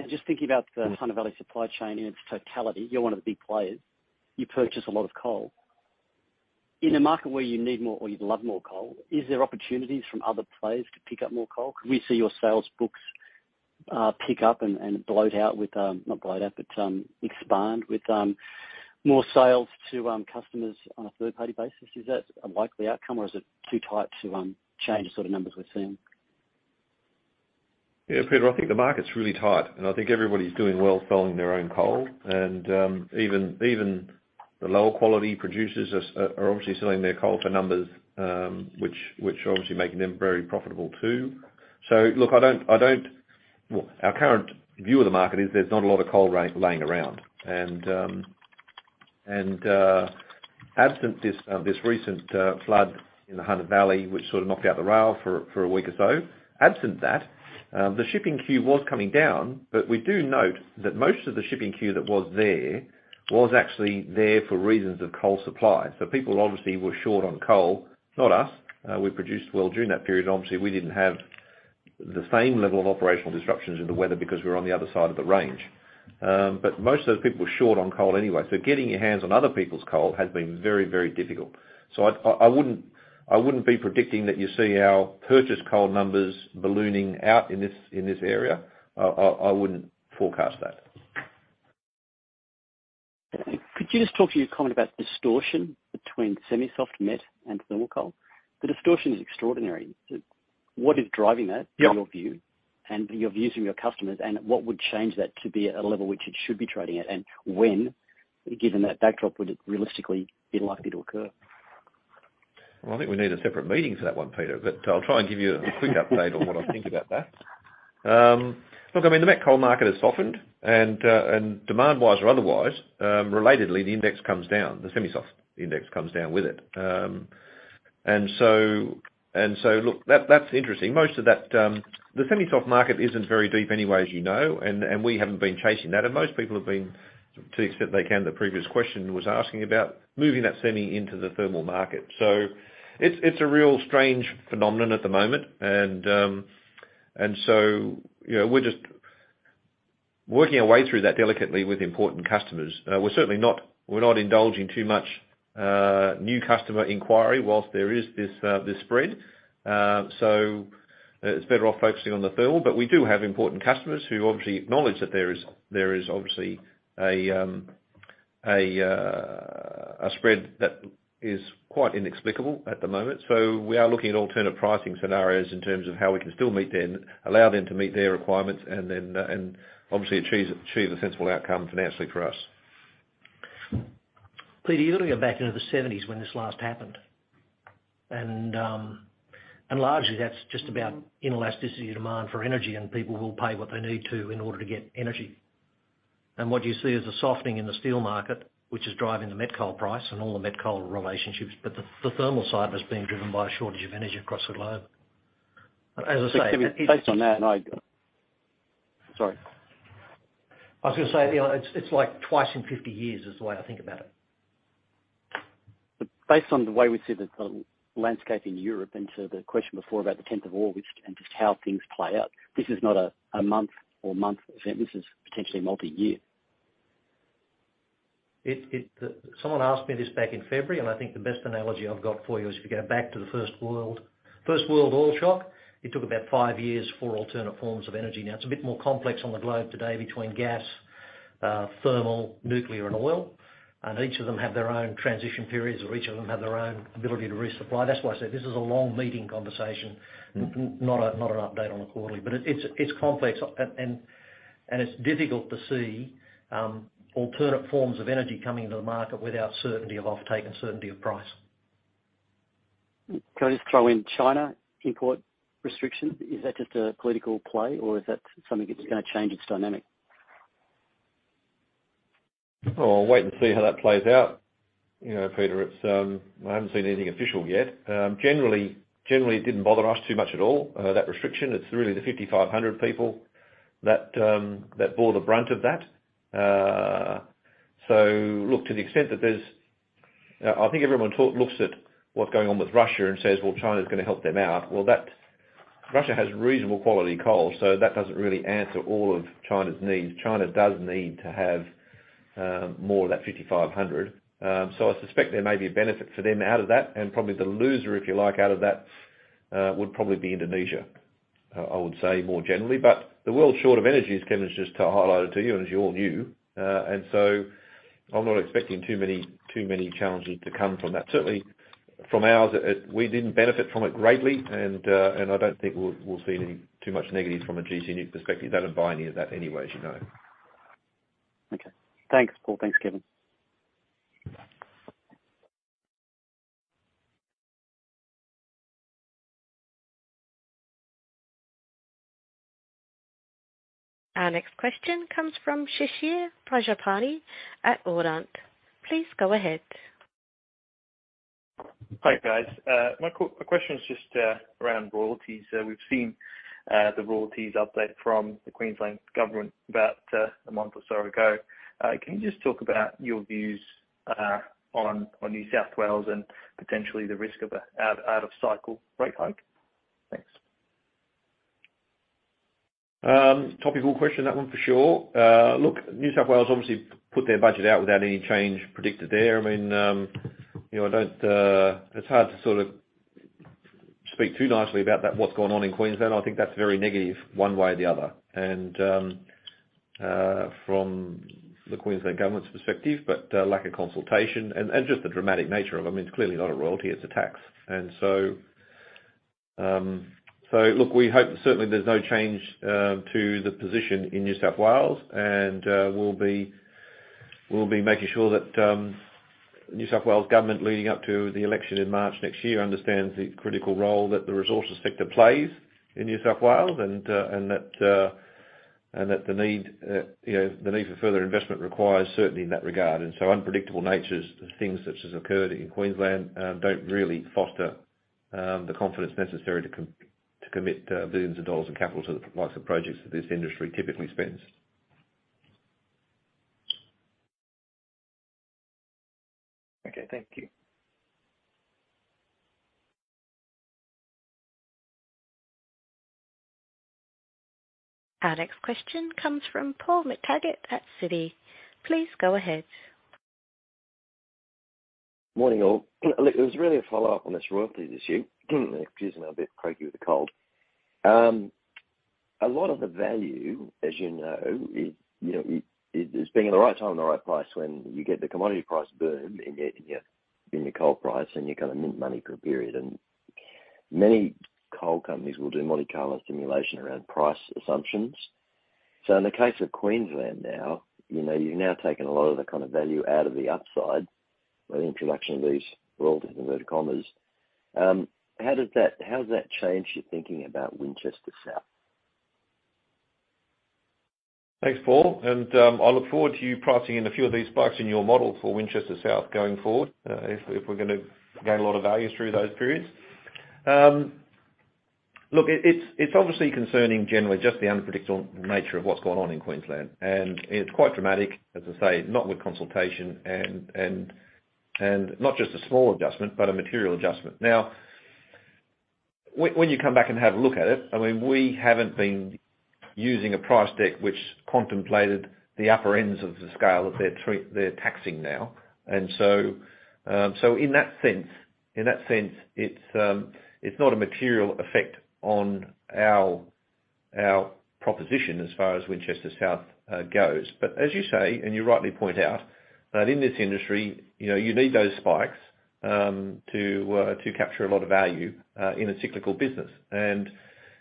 Just thinking about the Hunter Valley supply chain in its totality, you're one of the big players. You purchase a lot of coal. In a market where you need more or you'd love more coal, is there opportunities from other players to pick up more coal? Could we see your sales books pick up and blow it out with not blow it out, but expand with more sales to customers on a third-party basis? Is that a likely outcome, or is it too tight to change the sort of numbers we're seeing? Yeah, Peter, I think the market's really tight, and I think everybody's doing well selling their own coal. And even the lower-quality producers are obviously selling their coal for numbers, which are obviously making them very profitable too. So look, I don't well, our current view of the market is there's not a lot of coal laying around. And absent this recent flood in the Hunter Valley, which sort of knocked out the rail for a week or so, absent that, the shipping queue was coming down, but we do note that most of the shipping queue that was there was actually there for reasons of coal supply. So people obviously were short on coal, not us. We produced well during that period. Obviously, we didn't have the same level of operational disruptions in the weather because we were on the other side of the range. But most of those people were short on coal anyway. So getting your hands on other people's coal has been very, very difficult. So I wouldn't be predicting that you see our purchase coal numbers ballooning out in this area. I wouldn't forecast that. Could you just talk to your comment about distortion between semi-soft met and thermal coal? The distortion is extraordinary. What is driving that, in your view, and your views from your customers, and what would change that to be at a level which it should be trading at, and when, given that backdrop, would it realistically be likely to occur? I think we need a separate meeting for that one, Peter, but I'll try and give you a quick update on what I think about that. Look, I mean, the met coal market has softened, and demand-wise or otherwise, relatedly, the index comes down. The semi-soft index comes down with it. And so, look, that's interesting. Most of that, the semi-soft market isn't very deep anyway, as you know, and we haven't been chasing that. And most people have been, to the extent they can, the previous question was asking about moving that semi into the thermal market. So it's a real strange phenomenon at the moment. And so we're just working our way through that delicately with important customers. We're certainly not indulging too much new customer inquiry whilst there is this spread. So it's better off focusing on the thermal. But we do have important customers who obviously acknowledge that there is obviously a spread that is quite inexplicable at the moment. So we are looking at alternative pricing scenarios in terms of how we can still allow them to meet their requirements and then obviously achieve a sensible outcome financially for us. Peter, you're looking back into the 1970s when this last happened. Largely, that's just about inelasticity of demand for energy, and people will pay what they need to in order to get energy. What you see is a softening in the steel market, which is driving the met coal price and all the met coal relationships, but the thermal side of it is being driven by a shortage of energy across the globe, as I say. Based on that, I, sorry. I was going to say it's like twice in 50 years is the way I think about it. Based on the way we see the landscape in Europe and to the question before about the 10th of August and just how things play out, this is not a month-to-month event. This is potentially multi-year. Someone asked me this back in February, and I think the best analogy I've got for you is if you go back to the first world oil shock, it took about five years for alternate forms of energy. Now, it's a bit more complex on the globe today between gas, thermal, nuclear, and oil. And each of them have their own transition periods, or each of them have their own ability to resupply. That's why I say this is a long meeting conversation, not an update on a quarterly. But it's complex, and it's difficult to see alternate forms of energy coming into the market without certainty of off-take and certainty of price. Can I just throw in China import restrictions? Is that just a political play, or is that something that's going to change its dynamic? I'll wait and see how that plays out, Peter. I haven't seen anything official yet. Generally, it didn't bother us too much at all, that restriction. It's really the 5,500 that bore the brunt of that. So look, to the extent that there's. I think everyone looks at what's going on with Russia and says, "Well, China's going to help them out." Russia has reasonable quality coal, so that doesn't really answer all of China's needs. China does need to have more of that 5,500. So I suspect there may be a benefit for them out of that. And probably the loser, if you like, out of that would probably be Indonesia, I would say, more generally. But the world's short of energy, Kevin, just to highlight it to you, and as you all knew. I'm not expecting too many challenges to come from that. Certainly, from ours, we didn't benefit from it greatly, and I don't think we'll see too much negative from a gC NEWC perspective. I don't buy any of that anyway, as you know. Okay. Thanks, Paul. Thanks, Kevin. Our next question comes from Shashir Prajapani Please go ahead. Hi, guys. My question is just around royalties. We've seen the royalties update from the Queensland government about a month or so ago. Can you just talk about your views on New South Wales and potentially the risk of an out-of-cycle rate hike? Thanks. Topic of all questions, that one for sure. Look, New South Wales obviously put their budget out without any change predicted there. I mean, it's hard to sort of speak too nicely about what's going on in Queensland. I think that's very negative one way or the other from the Queensland government's perspective, but lack of consultation and just the dramatic nature of it. I mean, it's clearly not a royalty. It's a tax. And so look, we hope certainly there's no change to the position in New South Wales. And we'll be making sure that New South Wales government leading up to the election in March next year understands the critical role that the resources sector plays in New South Wales and that the need for further investment requires certainty in that regard. Unpredictable natures, things such as occurred in Queensland, don't really foster the confidence necessary to commit billions of dollars in capital to the likes of projects that this industry typically spends. Okay. Thank you. Our next question comes from Paul McTaggart at Citi. Please go ahead. Morning, all. Look, it was really a follow-up on this royalty issue. Excuse me, I'm a bit cranky with the cold. A lot of the value, as you know, is being at the right time and the right price when you get the commodity price boom in your coal price and you're going to mint money for a period. And many coal companies will do Monte Carlo simulation around price assumptions. So in the case of Queensland now, you've now taken a lot of the kind of value out of the upside with the introduction of these royalties and ad valorem. How does that change your thinking about Winchester South? Thanks, Paul. And I look forward to you pricing in a few of these spikes in your model for Winchester South going forward if we're going to gain a lot of value through those periods. Look, it's obviously concerning generally just the unpredictable nature of what's going on in Queensland. And it's quite dramatic, as I say, not with consultation and not just a small adjustment, but a material adjustment. Now, when you come back and have a look at it, I mean, we haven't been using a price deck which contemplated the upper ends of the scale that they're taxing now. And so in that sense, it's not a material effect on our proposition as far as Winchester South goes. But as you say, and you rightly point out, that in this industry, you need those spikes to capture a lot of value in a cyclical business. And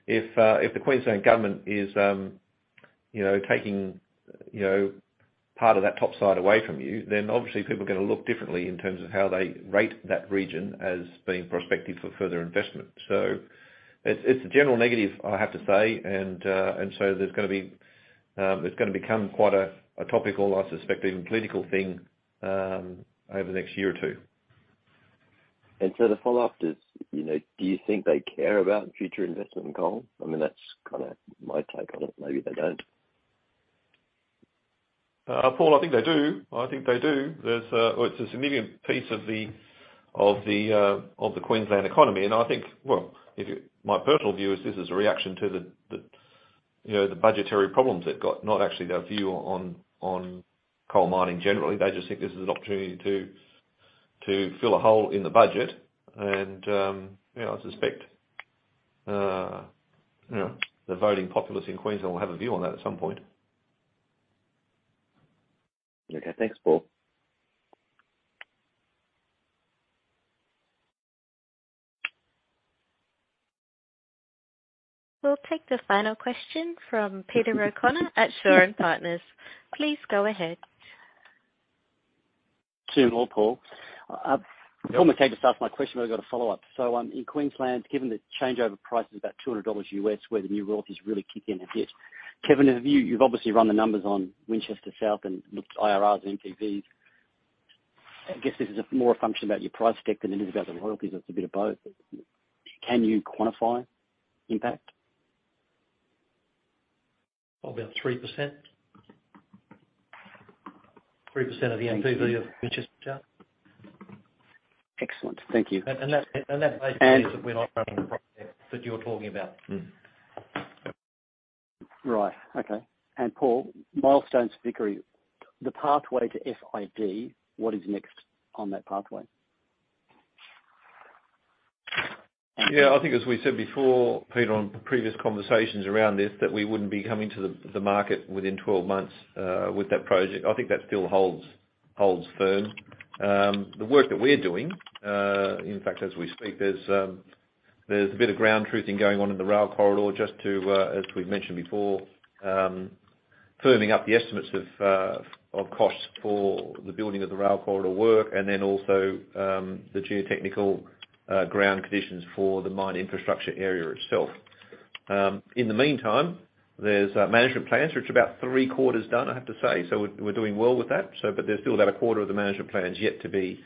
if the Queensland government is taking part of that topside away from you, then obviously people are going to look differently in terms of how they rate that region as being prospective for further investment. So it's a general negative, I have to say. And so it's going to become quite a topical, I suspect, even political thing over the next year or two. And so the follow-up is, do you think they care about future investment in coal? I mean, that's kind of my take on it. Maybe they don't. Paul, I think they do. I think they do. It's a significant piece of the Queensland economy. And I think, well, my personal view is this is a reaction to the budgetary problems they've got, not actually their view on coal mining generally. They just think this is an opportunity to fill a hole in the budget. And I suspect the voting populace in Queensland will have a view on that at some point. Okay. Thanks, Paul. We'll take the final question from Peter O'Connor at Shaw and Partners. Please go ahead. So, Paul. Paul McTaggart has asked my question, but I've got a follow-up. So in Queensland, given the changeover price is about $200 USD, where the new royalties really kick in and hit, Kevin, you've obviously run the numbers on Winchester South and looked at IRRs and NPVs. I guess this is more a function about your price deck than it is about the royalties. It's a bit of both. Can you quantify impact? Probably about 3%. 3% of the NPV of Winchester South. Excellent. Thank you. That basically means that we're not running the price deck that you're talking about. Right. Okay. And Paul, milestones for Vickery. The pathway to FID, what is next on that pathway? Yeah. I think, as we said before, Peter, on previous conversations around this, that we wouldn't be coming to the market within 12 months with that project. I think that still holds firm. The work that we're doing, in fact, as we speak, there's a bit of ground truthing going on in the rail corridor just to, as we've mentioned before, firming up the estimates of costs for the building of the rail corridor work and then also the geotechnical ground conditions for the mine infrastructure area itself. In the meantime, there's management plans, which are about three-quarters done, I have to say. So we're doing well with that. But there's still about a quarter of the management plans yet to be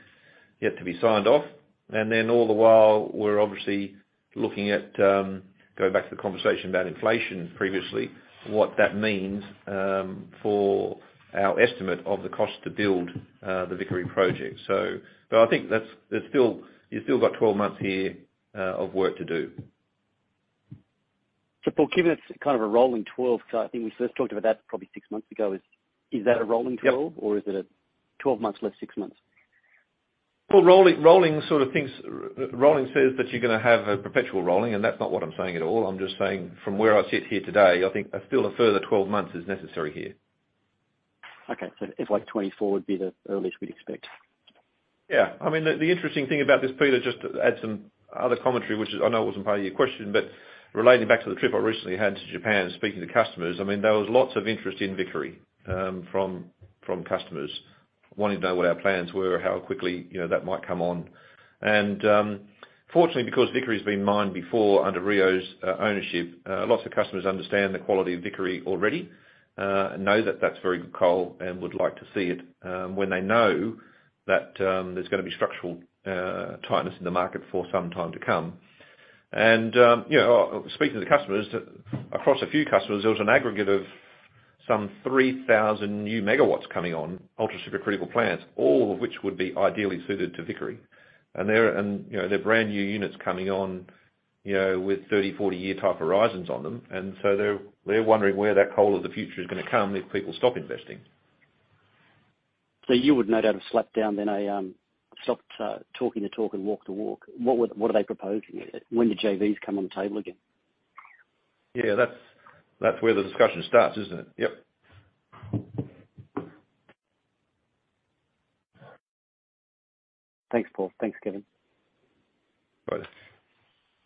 signed off. And then all the while, we're obviously looking at going back to the conversation about inflation previously, what that means for our estimate of the cost to build the Vickery project. But I think you've still got 12 months here of work to do. So, Paul, given it's kind of a rolling 12, because I think we first talked about that probably six months ago, is that a rolling 12, or is it a 12 months less six months? Rolling sort of things rolling says that you're going to have a perpetual rolling, and that's not what I'm saying at all. I'm just saying, from where I sit here today, I think still a further 12 months is necessary here. Okay, so it's like 24 would be the earliest we'd expect. Yeah. I mean, the interesting thing about this, Peter, just to add some other commentary, which I know wasn't part of your question, but relating back to the trip I recently had to Japan speaking to customers. I mean, there was lots of interest in Vickery from customers wanting to know what our plans were, how quickly that might come on. And fortunately, because Vickery has been mined before under Rio's ownership, lots of customers understand the quality of Vickery already, know that that's very good coal, and would like to see it when they know that there's going to be structural tightness in the market for some time to come. And speaking to the customers, across a few customers, there was an aggregate of some 3,000 megawatts coming on ultra-supercritical plants, all of which would be ideally suited to Vickery. They're brand new units coming on with 30-40-year type horizons on them. So they're wondering where that coal of the future is going to come if people stop investing. You would no doubt have slapped down, "Then I stopped talking the talk and walk the walk." What are they proposing? When do JVs come on the table again? Yeah. That's where the discussion starts, isn't it? Yep. Thanks, Paul. Thanks, Kevin. Bye.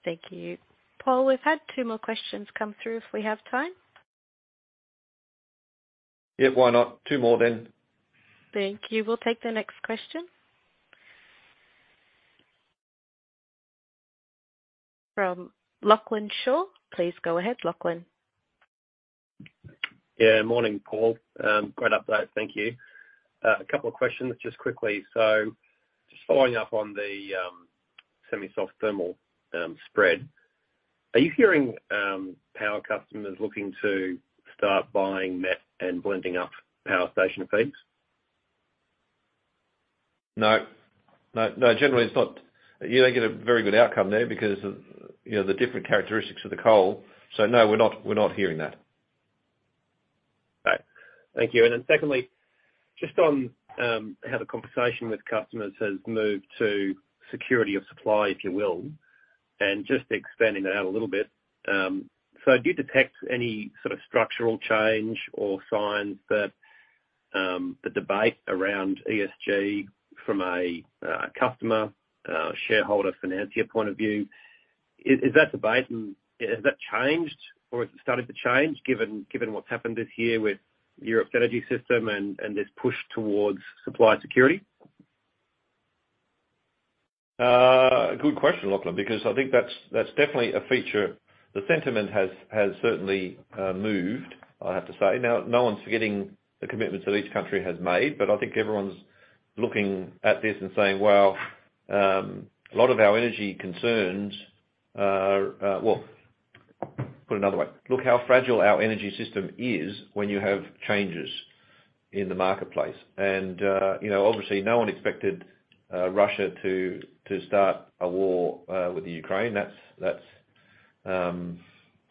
Thank you. Paul, we've had two more questions come through if we have time. Yep. Why not? Two more then. Thank you. We'll take the next question from Lachlan Shaw. Please go ahead, Lachlan. Yeah. Morning, Paul. Great update. Thank you. A couple of questions just quickly. So just following up on the semi-soft thermal spread, are you hearing power customers looking to start buying met and blending up power station feeds? No. No. No. Generally, it's not. You don't get a very good outcome there because of the different characteristics of the coal. So no, we're not hearing that. Okay. Thank you. And then secondly, just on how the conversation with customers has moved to security of supply, if you will, and just expanding that out a little bit. So do you detect any sort of structural change or signs that the debate around ESG from a customer, shareholder, financier point of view, is that debate and has that changed or has it started to change given what's happened this year with Europe's energy system and this push towards supply security? Good question, Lachlan, because I think that's definitely a feature. The sentiment has certainly moved, I have to say. Now, no one's forgetting the commitments that each country has made, but I think everyone's looking at this and saying, "Well, a lot of our energy concerns" well, put it another way. "Look how fragile our energy system is when you have changes in the marketplace." And obviously, no one expected Russia to start a war with Ukraine. That's a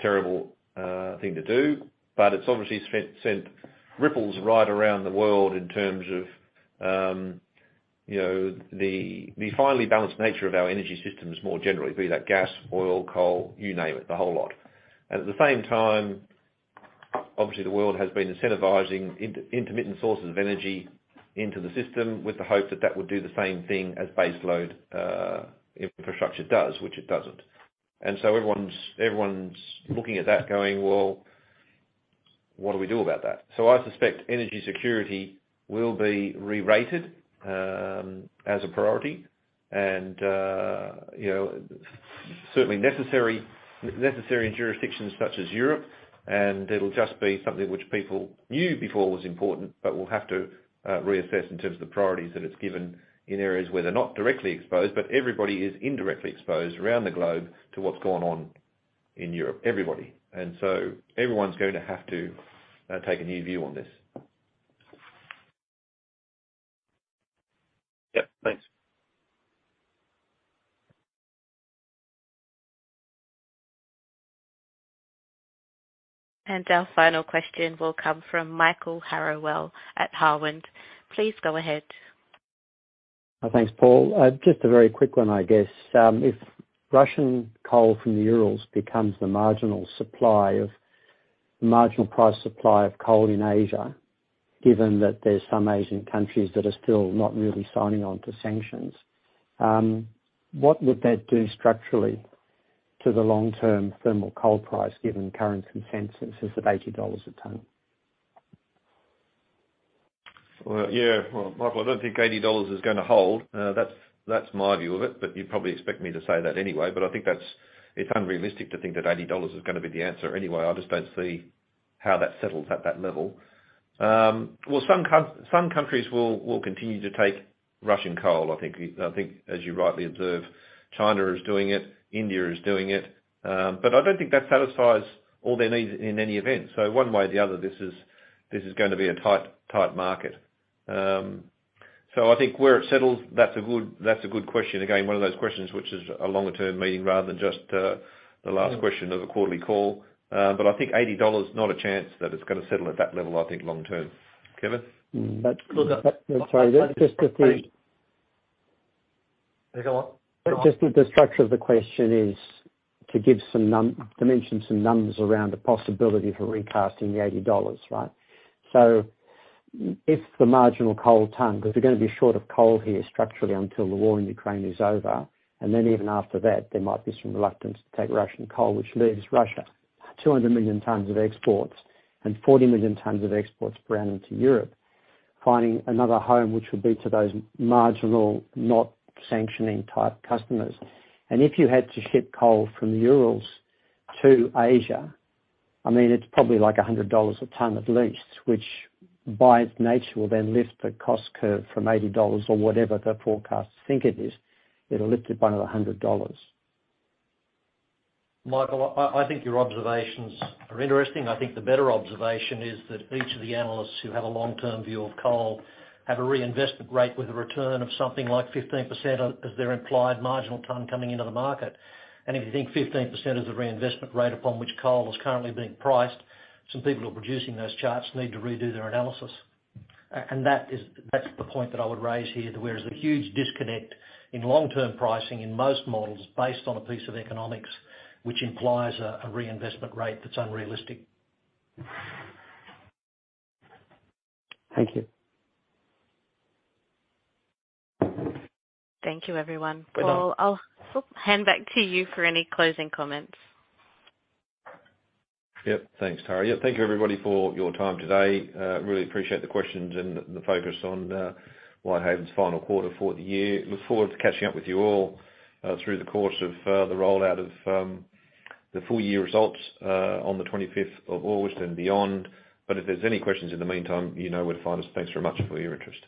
terrible thing to do. But it's obviously sent ripples right around the world in terms of the finely balanced nature of our energy systems more generally, be that gas, oil, coal, you name it, the whole lot. And at the same time, obviously, the world has been incentivizing intermittent sources of energy into the system with the hope that that would do the same thing as baseload infrastructure does, which it doesn't. And so everyone's looking at that going, "Well, what do we do about that?" So I suspect energy security will be re-rated as a priority and certainly necessary in jurisdictions such as Europe. And it'll just be something which people knew before was important, but we'll have to reassess in terms of the priorities that it's given in areas where they're not directly exposed. But everybody is indirectly exposed around the globe to what's going on in Europe, everybody. And so everyone's going to have to take a new view on this. Yep. Thanks. Our final question will come from Michael Harrowell at Harrowell. Please go ahead. Thanks, Paul. Just a very quick one, I guess. If Russian coal from the Urals becomes the marginal price supply of coal in Asia, given that there's some Asian countries that are still not really signing on to sanctions, what would that do structurally to the long-term thermal coal price given current consensus is at $80 a tonne? Yeah. Michael, I don't think $80 is going to hold. That's my view of it, but you probably expect me to say that anyway. But I think it's unrealistic to think that $80 is going to be the answer anyway. I just don't see how that settles at that level. Some countries will continue to take Russian coal. I think, as you rightly observe, China is doing it. India is doing it. But I don't think that satisfies all their needs in any event. One way or the other, this is going to be a tight market. I think where it settles, that's a good question. Again, one of those questions which is a longer-term meeting rather than just the last question of a quarterly call. I think $80, not a chance that it's going to settle at that level, I think, long term. Kevin? Sorry. Just to see. Go on. Just that the structure of the question is to give some dimensions, some numbers around the possibility for recasting the $80, right? So if the marginal coal tonne because we're going to be short of coal here structurally until the war in Ukraine is over. And then even after that, there might be some reluctance to take Russian coal, which leaves Russia 200 million tonnes of exports and 40 million tonnes of exports bound into Europe, finding another home which will be to those marginal, not sanctioning type customers. And if you had to ship coal from the Urals to Asia, I mean, it's probably like $100 a tonne at least, which by its nature will then lift the cost curve from $80 or whatever the forecasts think it is. It'll lift it by another $100. Michael, I think your observations are interesting. I think the better observation is that each of the analysts who have a long-term view of coal have a reinvestment rate with a return of something like 15% as their implied marginal tonne coming into the market, and if you think 15% is the reinvestment rate upon which coal is currently being priced, some people who are producing those charts need to redo their analysis, and that's the point that I would raise here, where there's a huge disconnect in long-term pricing in most models based on a piece of economics, which implies a reinvestment rate that's unrealistic. Thank you. Thank you, everyone. Goodnight. Paul, I'll hand back to you for any closing comments. Yep. Thanks, Tara. Yep. Thank you, everybody, for your time today. Really appreciate the questions and the focus on Whitehaven's final quarter for the year. Look forward to catching up with you all through the course of the rollout of the full year results on the 25th of August and beyond. But if there's any questions in the meantime, you know where to find us. Thanks very much for your interest.